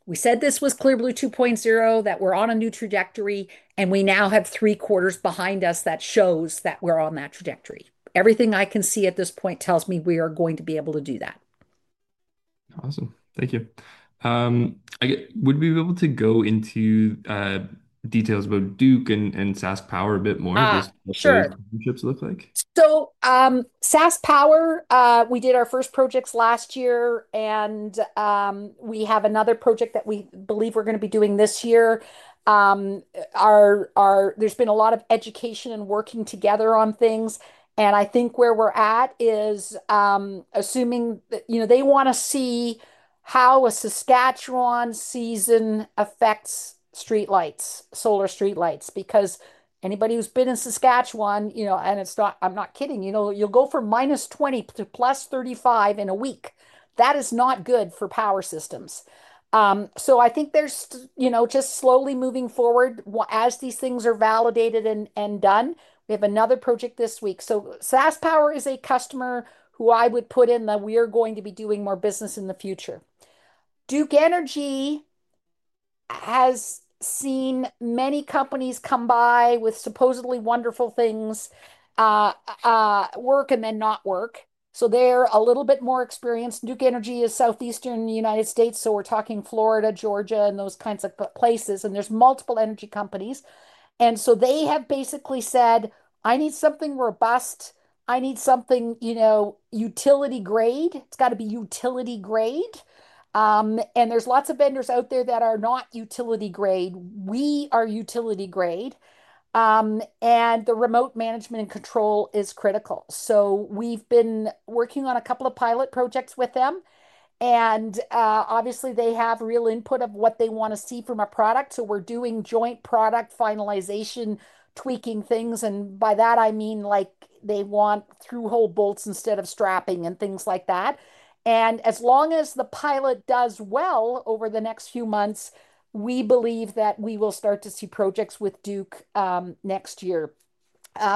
we said this was Clear Blue 2.0, that we're on a new trajectory and we now have three quarters behind us that shows that we're on that trajectory. Everything I can see at this point tells me we are going to be able to do that. Awesome. Thank you. Would we be able to go into details about Duke and Sask Power a bit more? Yeah, sure. What do those partnerships look like? Sask Power, we did our first projects last year and we have another project that we believe we're going to be doing this year. There's been a lot of education and working together on things. I think where we're at is, assuming that, you know, they want to see how a Saskatchewan season affects streetlights, solar streetlights, because anybody who's been in Saskatchewan, you know, and it's not, I'm not kidding, you'll go from -20 to +35 in a week. That is not good for power systems. I think there's, you know, just slowly moving forward as these things are validated and done. We have another project this week. Sask Power is a customer who I would put in that we are going to be doing more business in the future. Duke Energy has seen many companies come by with supposedly wonderful things, work and then not work. They're a little bit more experienced. Duke Energy is southeastern United States. We're talking Florida, Georgia, and those kinds of places. There are multiple energy companies. They have basically said, I need something robust. I need something, you know, utility grade. It's got to be utility grade. There are lots of vendors out there that are not utility grade. We are utility grade. The remote management and control is critical. We've been working on a couple of pilot projects with them. Obviously, they have real input of what they want to see from a product. We're doing joint product finalization, tweaking things. By that, I mean like they want through hole bolts instead of strapping and things like that. As long as the pilot does well over the next few months, we believe that we will start to see projects with Duke next year.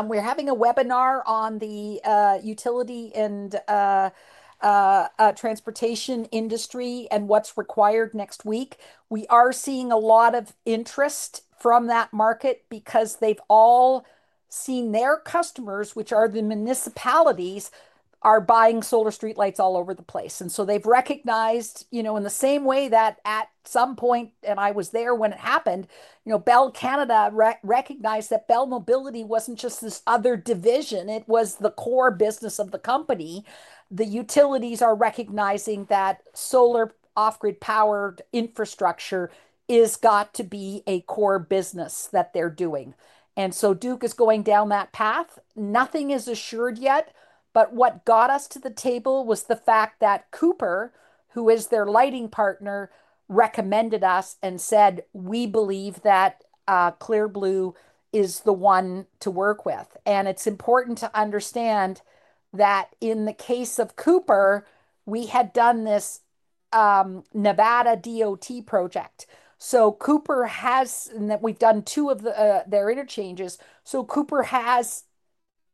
We're having a webinar on the utility and transportation industry and what's required next week. We are seeing a lot of interest from that market because they've all seen their customers, which are the municipalities, are buying solar streetlights all over the place. They have recognized, you know, in the same way that at some point, and I was there when it happened, you know, Bell Canada recognized that Bell Mobility wasn't just this other division. It was the core business of the company. The utilities are recognizing that solar off-grid powered infrastructure has got to be a core business that they're doing. Duke is going down that path. Nothing is assured yet, but what got us to the table was the fact that Cooper, who is their lighting partner, recommended us and said, we believe that Clear Blue is the one to work with. It is important to understand that in the case of Cooper, we had done this Nevada DOT project. Cooper has that we have done two of their interchanges. Cooper has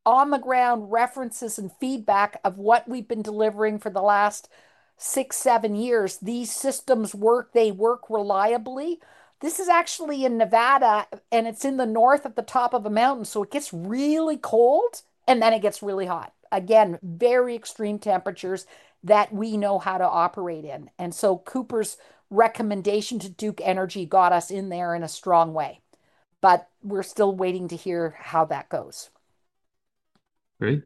on-the-ground references and feedback of what we have been delivering for the last six or seven years. These systems work, they work reliably. This is actually in Nevada and it is in the north at the top of a mountain. It gets really cold and then it gets really hot. Again, very extreme temperatures that we know how to operate in. Cooper's recommendation to Duke Energy got us in there in a strong way, but we are still waiting to hear how that goes. Great.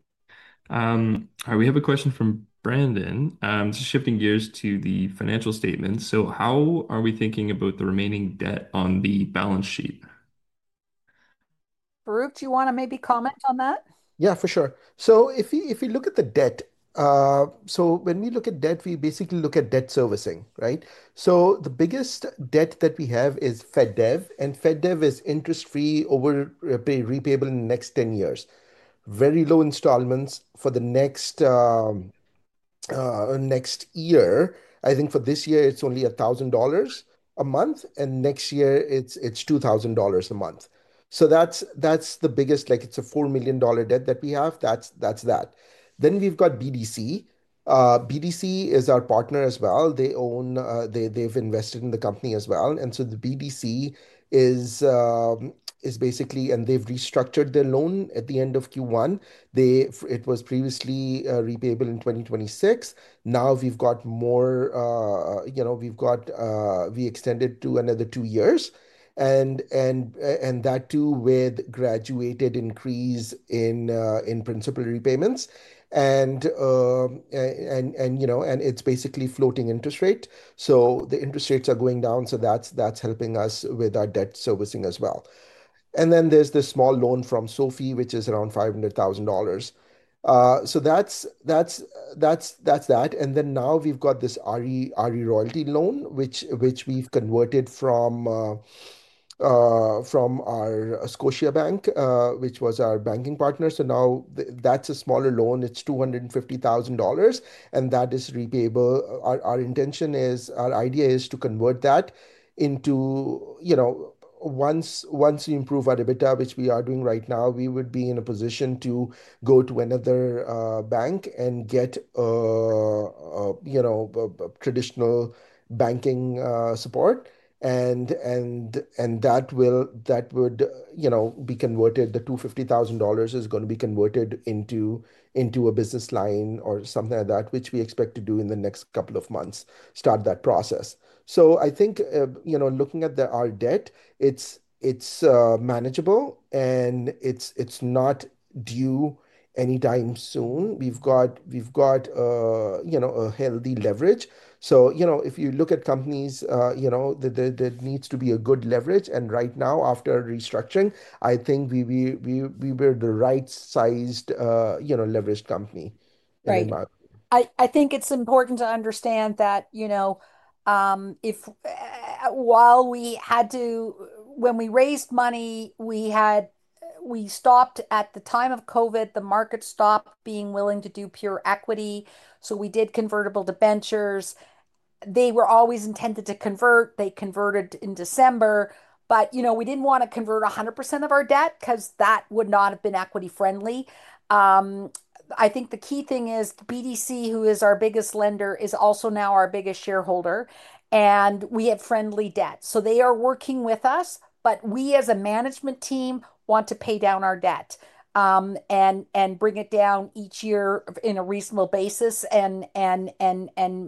All right, we have a question from Brandon. Shifting gears to the financial statements, how are we thinking about the remaining debt on the balance sheet? Farrouk, do you want to maybe comment on that? Yeah, for sure. If you look at the debt, when we look at debt, we basically look at debt servicing, right? The biggest debt that we have is FedDev. FedDev is interest-free, repayable in the next 10 years. Very low installments for the next year. I think for this year, it is only $1,000 a month. Next year, it is $2,000 a month. That is the biggest, like it is a $4 million debt that we have. That is that. Then we have BDC. BDC is our partner as well. They have invested in the company as well. BDC is basically, and they restructured their loan at the end of Q1. It was previously repayable in 2026. Now we've got more, you know, we've got, we extended to another two years and that too with graduated increase in principal repayments. And, you know, it's basically floating interest rate. So the interest rates are going down. That's helping us with our debt servicing as well. Then there's the small loan from Sophie, which is around $500,000. That's that. Now we've got this RE Royalties loan, which we've converted from our Scotiabank, which was our banking partner. Now that's a smaller loan. It's $250,000 and that is repayable. Our intention is, our idea is to convert that into, you know, once we improve our EBITDA, which we are doing right now, we would be in a position to go to another bank and get, you know, traditional banking support. That would, you know, be converted. The $250,000 is going to be converted into a business line or something like that, which we expect to do in the next couple of months, start that process. I think, you know, looking at our debt, it's manageable and it's not due anytime soon. We've got, you know, a healthy leverage. If you look at companies, you know, that needs to be a good leverage. Right now, after restructuring, I think we were the right sized, you know, leveraged company. I think it's important to understand that, you know, if, while we had to, when we raised money, we had, we stopped at the time of COVID, the market stopped being willing to do pure equity. So we did convertible debentures. They were always intended to convert. They converted in December, but, you know, we didn't want to convert 100% of our debt because that would not have been equity friendly. I think the key thing is BDC, who is our biggest lender, is also now our biggest shareholder and we have friendly debt. They are working with us, but we as a management team want to pay down our debt and bring it down each year on a reasonable basis and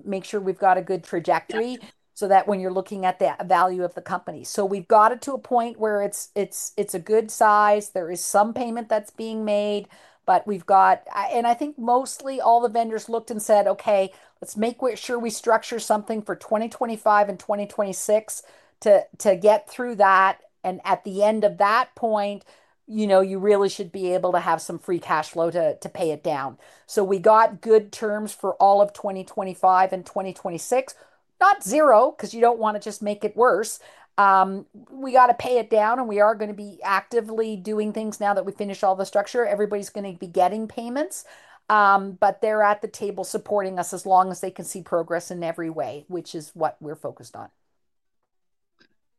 make sure we've got a good trajectory so that when you're looking at the value of the company, we've got it to a point where it's a good size. There is some payment that's being made, but we've got, and I think mostly all the vendors looked and said, okay, let's make sure we structure something for 2025 and 2026 to get through that. At the end of that point, you know, you really should be able to have some free cash-flow to pay it down. We got good terms for all of 2025 and 2026, not zero, because you don't want to just make it worse. We got to pay it down and we are going to be actively doing things now that we finish all the structure. Everybody's going to be getting payments, but they're at the table supporting us as long as they can see progress in every way, which is what we're focused on.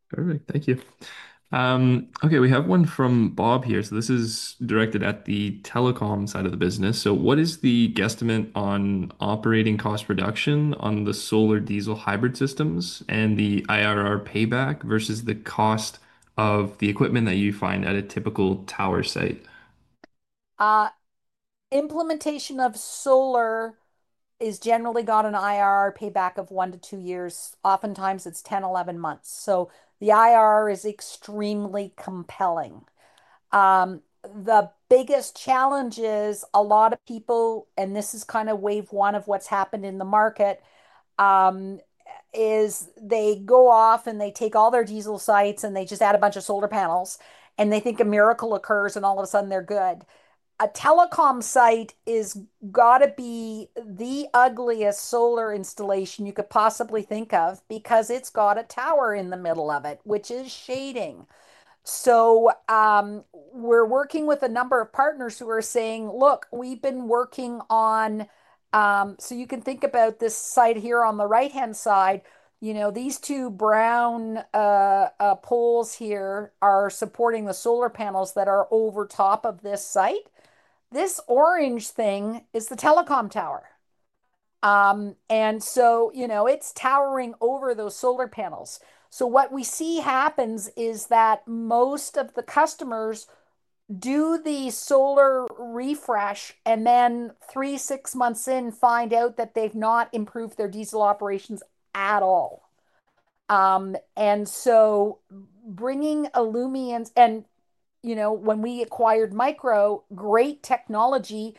Perfect. Thank you. Okay. We have one from Bob here. This is directed at the telecom side of the business. What is the guesstimate on operating cost reduction on the solar diesel hybrid systems and the IRR payback versus the cost of the equipment that you find at a typical tower site? Implementation of solar has generally got an IRR payback of 1-2 years. Oftentimes it's 10-11 months. The IRR is extremely compelling. The biggest challenge is a lot of people, and this is kind of wave one of what's happened in the market, is they go off and they take all their diesel sites and they just add a bunch of solar panels and they think a miracle occurs and all of a sudden they're good. A telecom site has got to be the ugliest solar installation you could possibly think of because it's got a tower in the middle of it, which is shading. We are working with a number of partners who are saying, look, we've been working on, so you can think about this site here on the right-hand side, you know, these two brown poles here are supporting the solar panels that are over top of this site. This orange thing is the telecom tower, and you know, it's towering over those solar panels. What we see happens is that most of the customers do the solar refresh and then three, six months in, find out that they've not improved their diesel operations at all. And so bringing Illumian, you know, when we acquired Micro, great technology,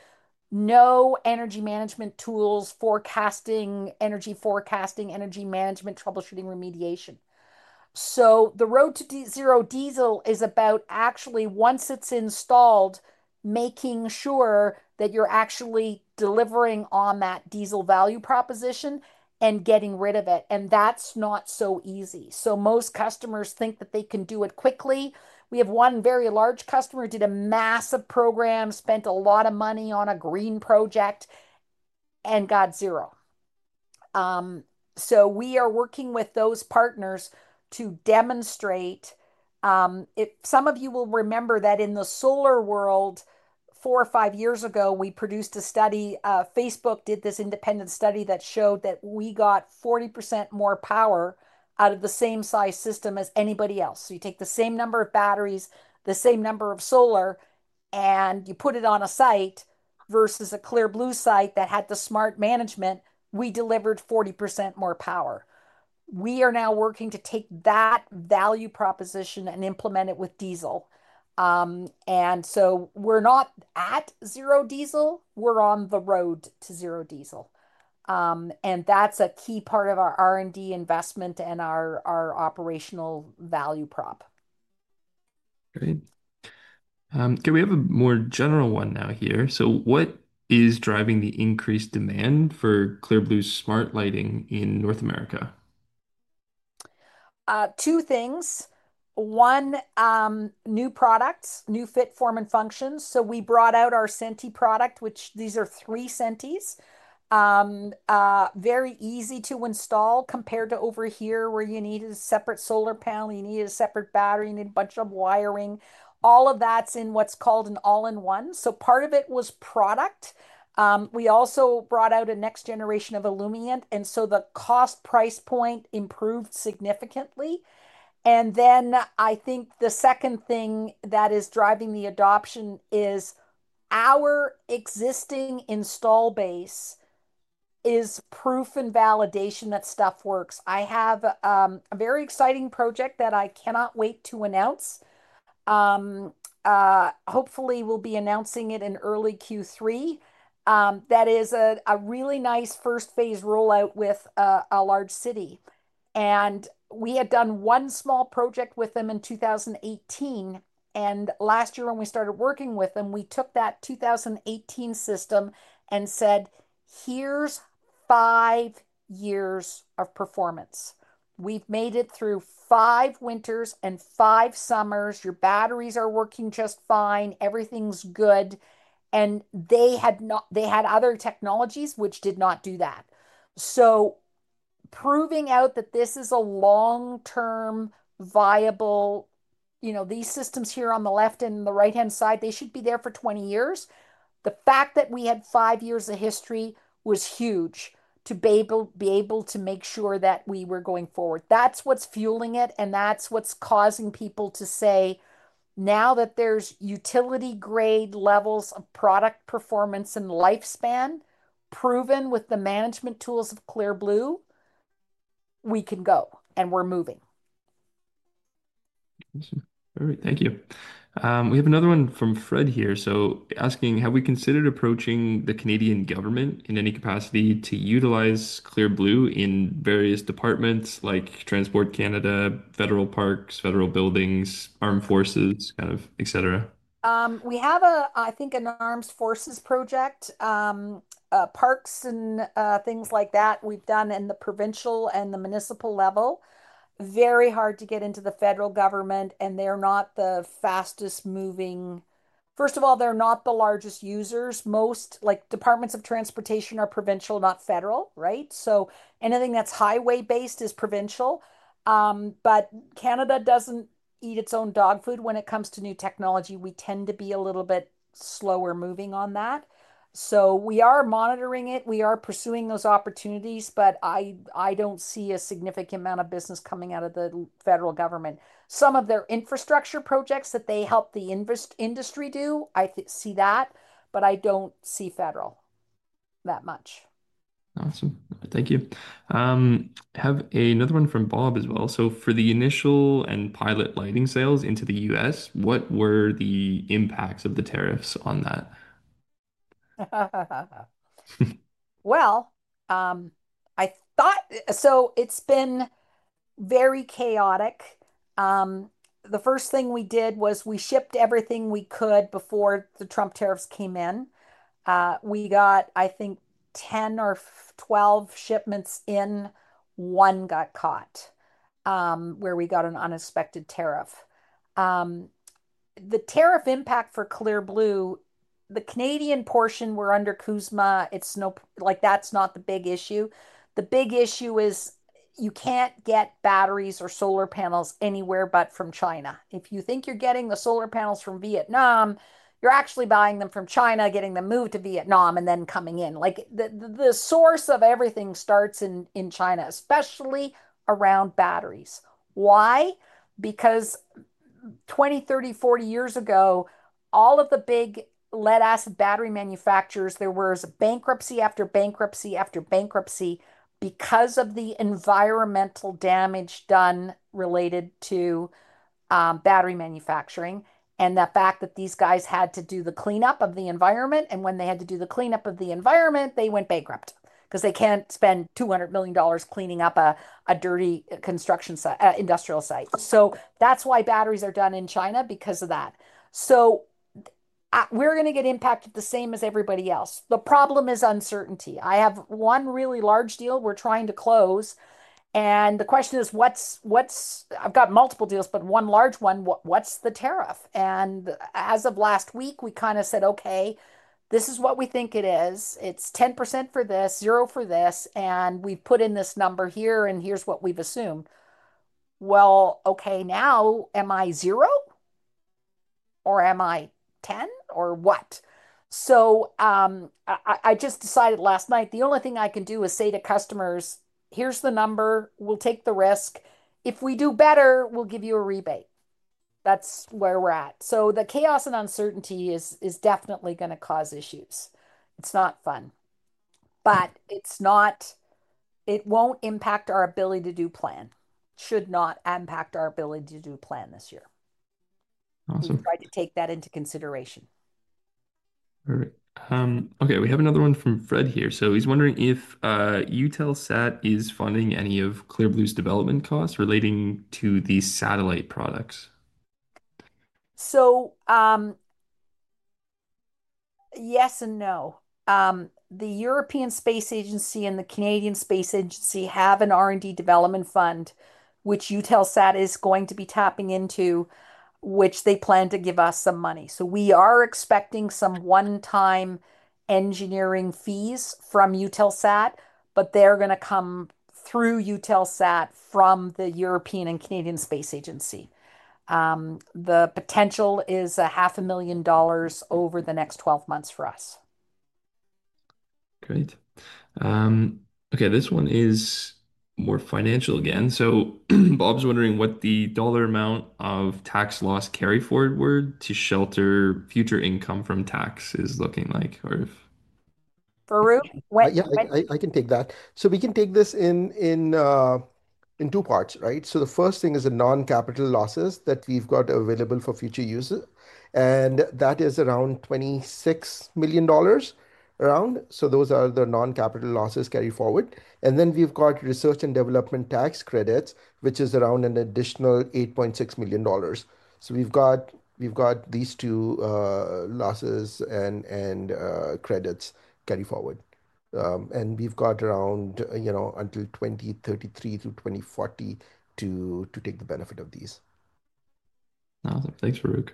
no energy management tools, forecasting, energy forecasting, energy management, troubleshooting, remediation. The Road to Zero Diesel is about actually, once it's installed, making sure that you're actually delivering on that diesel value proposition and getting rid of it. And that's not so easy. Most customers think that they can do it quickly. We have one very large customer who did a massive program, spent a lot of money on a green project and got zero. We are working with those partners to demonstrate, if some of you will remember that in the solar world, four or five years ago, we produced a study, Facebook did this independent study that showed that we got 40% more power out of the same size system as anybody else. You take the same number of batteries, the same number of solar, and you put it on a site versus a Clear Blue site that had the smart management, we delivered 40% more power. We are now working to take that value proposition and implement it with diesel. We are not at zero diesel, we are on the Road to Zero Diesel. That is a key part of our R&D investment and our operational value prop. Great. Can we have a more general one now here? What is driving the increased demand for Clear Blue Smart lighting in North America? Two things. One, new products, new fit, form, and functions. We brought out our SENTI product, which, these are three SENTIs, very easy to install compared to over here where you need a separate solar panel, you need a separate battery, you need a bunch of wiring. All of that is in what is called an all-in-one. Part of it was product. We also brought out a next generation of Illumian, and so the cost price point improved significantly. I think the second thing that is driving the adoption is our existing install base is proof and validation that stuff works. I have a very exciting project that I cannot wait to announce. Hopefully we will be announcing it in early Q3. That is a really nice first phase rollout with a large city. We had done one small project with them in 2018. Last year when we started working with them, we took that 2018 system and said, here's five years of performance. We've made it through five winters and five summers. Your batteries are working just fine. Everything's good. They had other technologies which did not do that. Proving out that this is a long-term viable, you know, these systems here on the left and the right-hand side, they should be there for 20 years. The fact that we had five years of history was huge to be able to make sure that we were going forward. That's what's fueling it. That's what's causing people to say now that there's utility-grade levels of product performance and lifespan proven with the management tools of Clear Blue, we can go and we're moving. All right. Thank you. We have another one from Fred here. Asking, have we considered approaching the Canadian government in any capacity to utilize Clear Blue in various departments like Transport Canada, federal parks, federal buildings, armed forces, kind of, et cetera? We have a, I think an armed forces project, parks and things like that we've done at the provincial and the municipal level. Very hard to get into the federal government and they're not the fastest moving. First of all, they're not the largest users. Most departments of transportation are provincial, not federal, right? Anything that's highway-based is provincial. Canada does not eat its own dog food when it comes to new technology. We tend to be a little bit slower moving on that. We are monitoring it. We are pursuing those opportunities, but I don't see a significant amount of business coming out of the federal government. Some of their infrastructure projects that they help the industry do, I see that, but I don't see federal that much. Awesome. Thank you. I have another one from Bob as well. For the initial and pilot lighting sales into the U.S., what were the impacts of the tariffs on that? It's been very chaotic. The first thing we did was we shipped everything we could before the Trump tariffs came in. We got, I think, 10 or 12 shipments in, one got caught, where we got an unexpected tariff. The tariff impact for Clear Blue, the Canadian portion we're under CUSMA, it's no, like that's not the big issue. The big issue is you can't get batteries or solar panels anywhere but from China. If you think you're getting the solar panels from Vietnam, you're actually buying them from China, getting them moved to Vietnam and then coming in. The source of everything starts in China, especially around batteries. Why? Because 20, 30, 40 years ago, all of the big lead acid battery manufacturers, there was a bankruptcy after bankruptcy after bankruptcy because of the environmental damage done related to battery manufacturing and the fact that these guys had to do the cleanup of the environment. When they had to do the cleanup of the environment, they went bankrupt because they can't spend $200 million cleaning up a dirty construction site, industrial site. That's why batteries are done in China because of that. We're going to get impacted the same as everybody else. The problem is uncertainty. I have one really large deal we're trying to close. The question is, what's, what's, I've got multiple deals, but one large one, what's the tariff? As of last week, we kind of said, okay, this is what we think it is. It's 10% for this, zero for this. We've put in this number here and here's what we've assumed. Okay, now am I zero or am I 10% or what? I just decided last night the only thing I can do is say to customers, here's the number, we'll take the risk. If we do better, we'll give you a rebate. That's where we're at. The chaos and uncertainty is definitely going to cause issues. It's not fun, but it's not, it won't impact our ability to do plan. Should not impact our ability to do plan this year. So we tried to take that into consideration. All right. Okay. We have another one from Fred here. So he's wondering if Eutelsat is funding any of Clear Blue's development costs relating to the satellite products. So, yes and no. The European Space Agency and the Canadian Space Agency have an R&D development fund, which Eutelsat is going to be tapping into, which they plan to give us some money. So we are expecting some one-time engineering fees from Eutelsat, but they're going to come through Eutelsat from the European and Canadian Space Agency. The potential is $500,000 over the next 12 months for us. Great. Okay. This one is more financial again. Bob's wondering what the dollar amount of tax loss carry forward to shelter future income from tax is looking like or if. Farrukh? Yeah, I can take that. We can take this in two parts, right? The first thing is the non-capital losses that we've got available for future use, and that is around $26 million. Those are the non-capital losses carried forward. Then we've got research and development tax credits, which is around an additional $8.6 million. We've got these two losses and credits carried forward, and we've got around, you know, until 2033 to 2040 to take the benefit of these. Awesome. Thanks, Farrukh.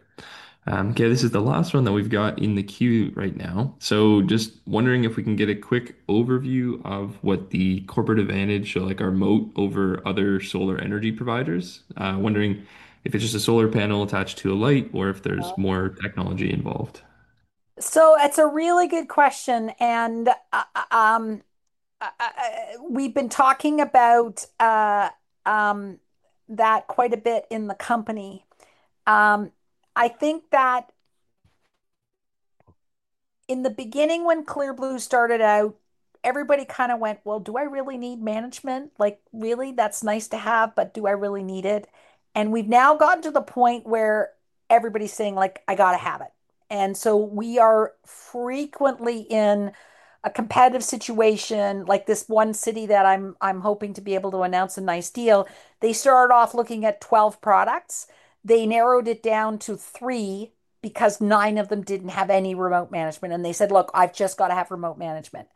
Okay. This is the last one that we've got in the queue right now. Just wondering if we can get a quick overview of what the corporate advantage, so like our moat over other solar energy providers? Wondering if it's just a solar panel attached to a light or if there's more technology involved? It's a really good question. And, we've been talking about that quite a bit in the company. I think that in the beginning when Clear Blue started out, everybody kind of went, do I really need management? Like really, that's nice to have, but do I really need it? We've now gotten to the point where everybody's saying, I got to have it. We are frequently in a competitive situation, like this one city that I'm hoping to be able to announce a nice deal. They started off looking at 12 products. They narrowed it down to three because nine of them did not have any remote management. They said, look, I have just got to have remote management.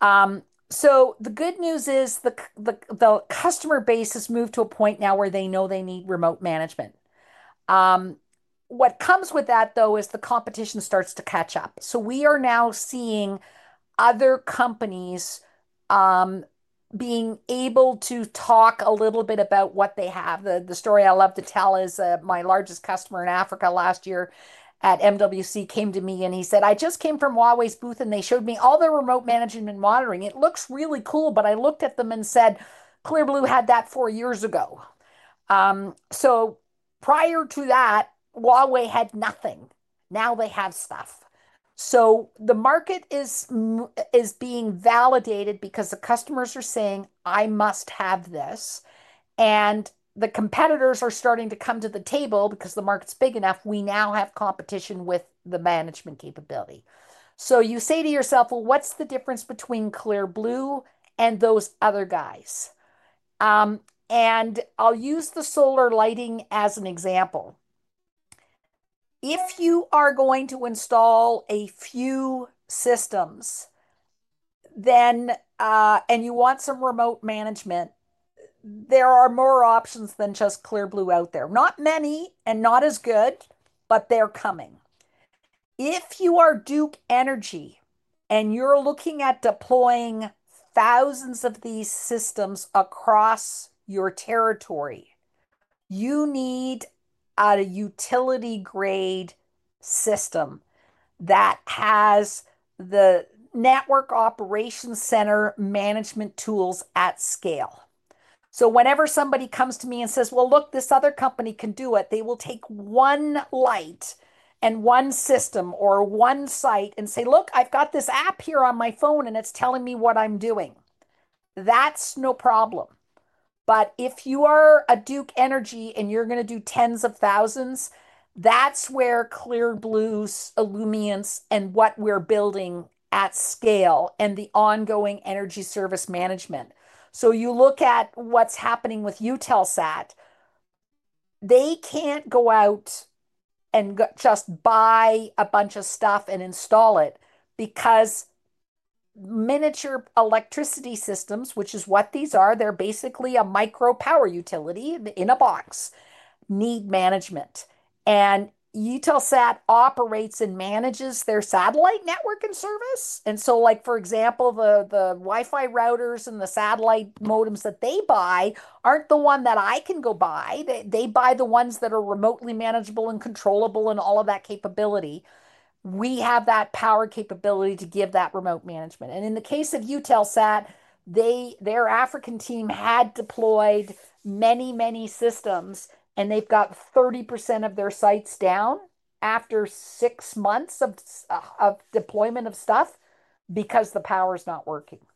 The good news is the customer base has moved to a point now where they know they need remote management. What comes with that though is the competition starts to catch up. We are now seeing other companies being able to talk a little bit about what they have. The story I love to tell is, my largest customer in Africa last year at MWC came to me and he said, I just came from Huawei's booth and they showed me all their remote management and monitoring. It looks really cool, but I looked at them and said, Clear Blue had that four years ago. Prior to that, Huawei had nothing. Now they have stuff. The market is being validated because the customers are saying, I must have this. The competitors are starting to come to the table because the market's big enough. We now have competition with the management capability. You say to yourself, well, what's the difference between Clear Blue and those other guys? I'll use the solar lighting as an example. If you are going to install a few systems, and you want some remote management, there are more options than just Clear Blue out there. Not many and not as good, but they're coming. If you are Duke Energy and you're looking at deploying thousands of these systems across your territory, you need a utility-grade system that has the network operations center management tools at scale. Whenever somebody comes to me and says, well, look, this other company can do it, they will take one light and one system or one site and say, look, I've got this app here on my phone and it's telling me what I'm doing. That's no problem. If you are a Duke Energy and you're going to do tens of thousands, that's where Clear Blue's Illumian and what we're building at scale and the ongoing energy service management come in. You look at what's happening with Eutelsat. They can't go out and just buy a bunch of stuff and install it because miniature electricity systems, which is what these are, they're basically a micro power utility in a box, need management. Eutelsat operates and manages their satellite network and service. For example, the Wi-Fi routers and the satellite modems that they buy are not the ones that I can go buy. They buy the ones that are remotely manageable and controllable and all of that capability. We have that power capability to give that remote management. In the case of Eutelsat, their African team had deployed many, many systems and they have 30% of their sites down after six months of deployment of stuff because the power is not working.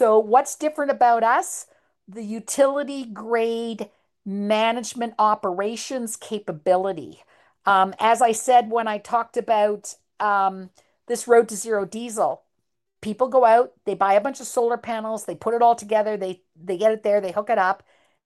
What is different about us? The utility-grade management operations capability. As I said, when I talked about this Road to Zero Diesel, people go out, they buy a bunch of solar panels, they put it all together, they get it there, they hook it up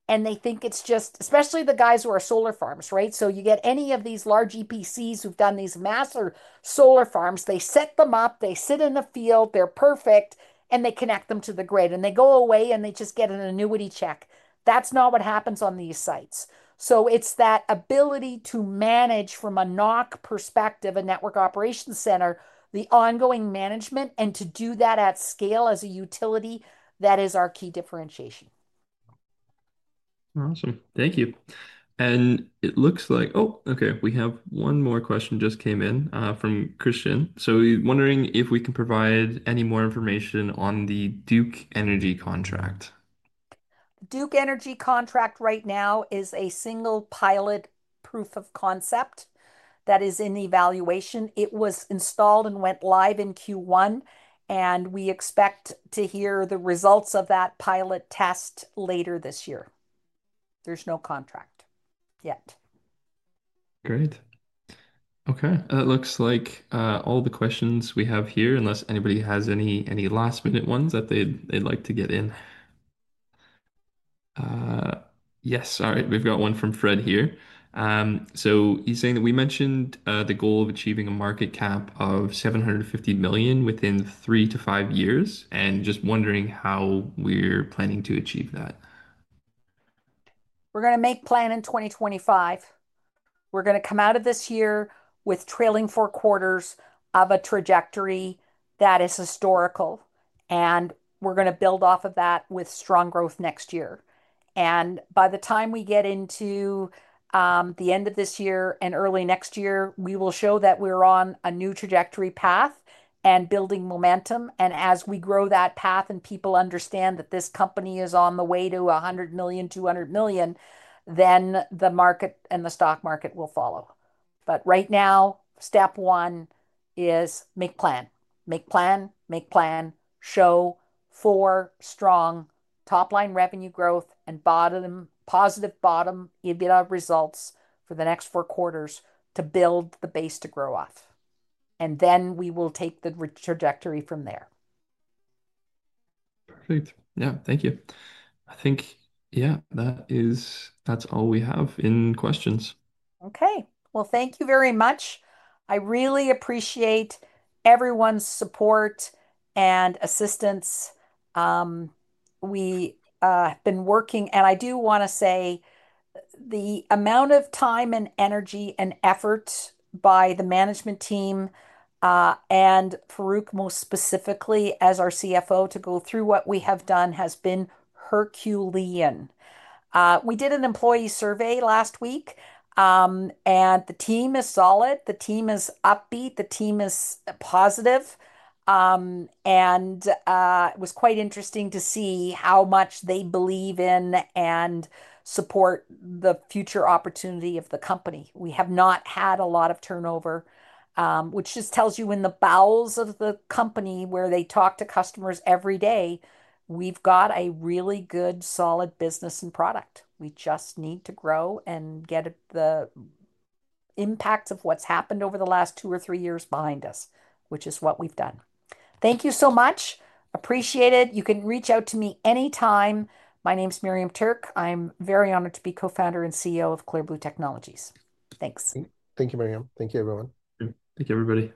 and they think it is just, especially the guys who are solar farms, right? You get any of these large EPCs who've done these massive solar farms, they set them up, they sit in the field, they're perfect and they connect them to the grid and they go away and they just get an annuity check. That's not what happens on these sites. It's that ability to manage from a NOC perspective, a network operations center, the ongoing management and to do that at scale as a utility, that is our key differentiation. Awesome. Thank you. It looks like, oh, okay. We have one more question just came in, from Christian. He's wondering if we can provide any more information on the Duke Energy contract? Duke Energy contract right now is a single pilot proof of concept that is in evaluation. It was installed and went live in Q1 and we expect to hear the results of that pilot test later this year. There's no contract yet. Great. Okay. That looks like all the questions we have here, unless anybody has any last minute ones that they'd like to get in. Yes. All right. We've got one from Fred here. So he's saying that we mentioned the goal of achieving a market cap of $750 million within three to five years and just wondering how we're planning to achieve that? We're going to make plan in 2025. We're going to come out of this year with trailing four quarters of a trajectory that is historical. And we're going to build off of that with strong growth next year. By the time we get into the end of this year and early next year, we will show that we're on a new trajectory path and building momentum. As we grow that path and people understand that this company is on the way to $100 million, $200 million, the market and the stock market will follow. Right now, step one is make plan, make plan, make plan, show four strong top line revenue growth and positive bottom EBITDA results for the next four quarters to build the base to grow off. We will take the trajectory from there. Great. Yeah. Thank you. I think, yeah, that is, that's all we have in questions. Thank you very much. I really appreciate everyone's support and assistance. We have been working and I do want to say the amount of time and energy and effort by the management team, and Farrukh most specifically as our CFO, to go through what we have done has been Herculean. We did an employee survey last week, and the team is solid. The team is upbeat. The team is positive, and it was quite interesting to see how much they believe in and support the future opportunity of the company. We have not had a lot of turnover, which just tells you in the bowels of the company where they talk to customers every day, we've got a really good solid business and product. We just need to grow and get the impact of what's happened over the last two or three years behind us, which is what we've done. Thank you so much. Appreciate it. You can reach out to me anytime. My name's Miriam Tuerk. I'm very honored to be co-founder and CEO of Clear Blue Technologies. Thanks. Thank you, Miriam. Thank you, everyone. Thank you, everybody.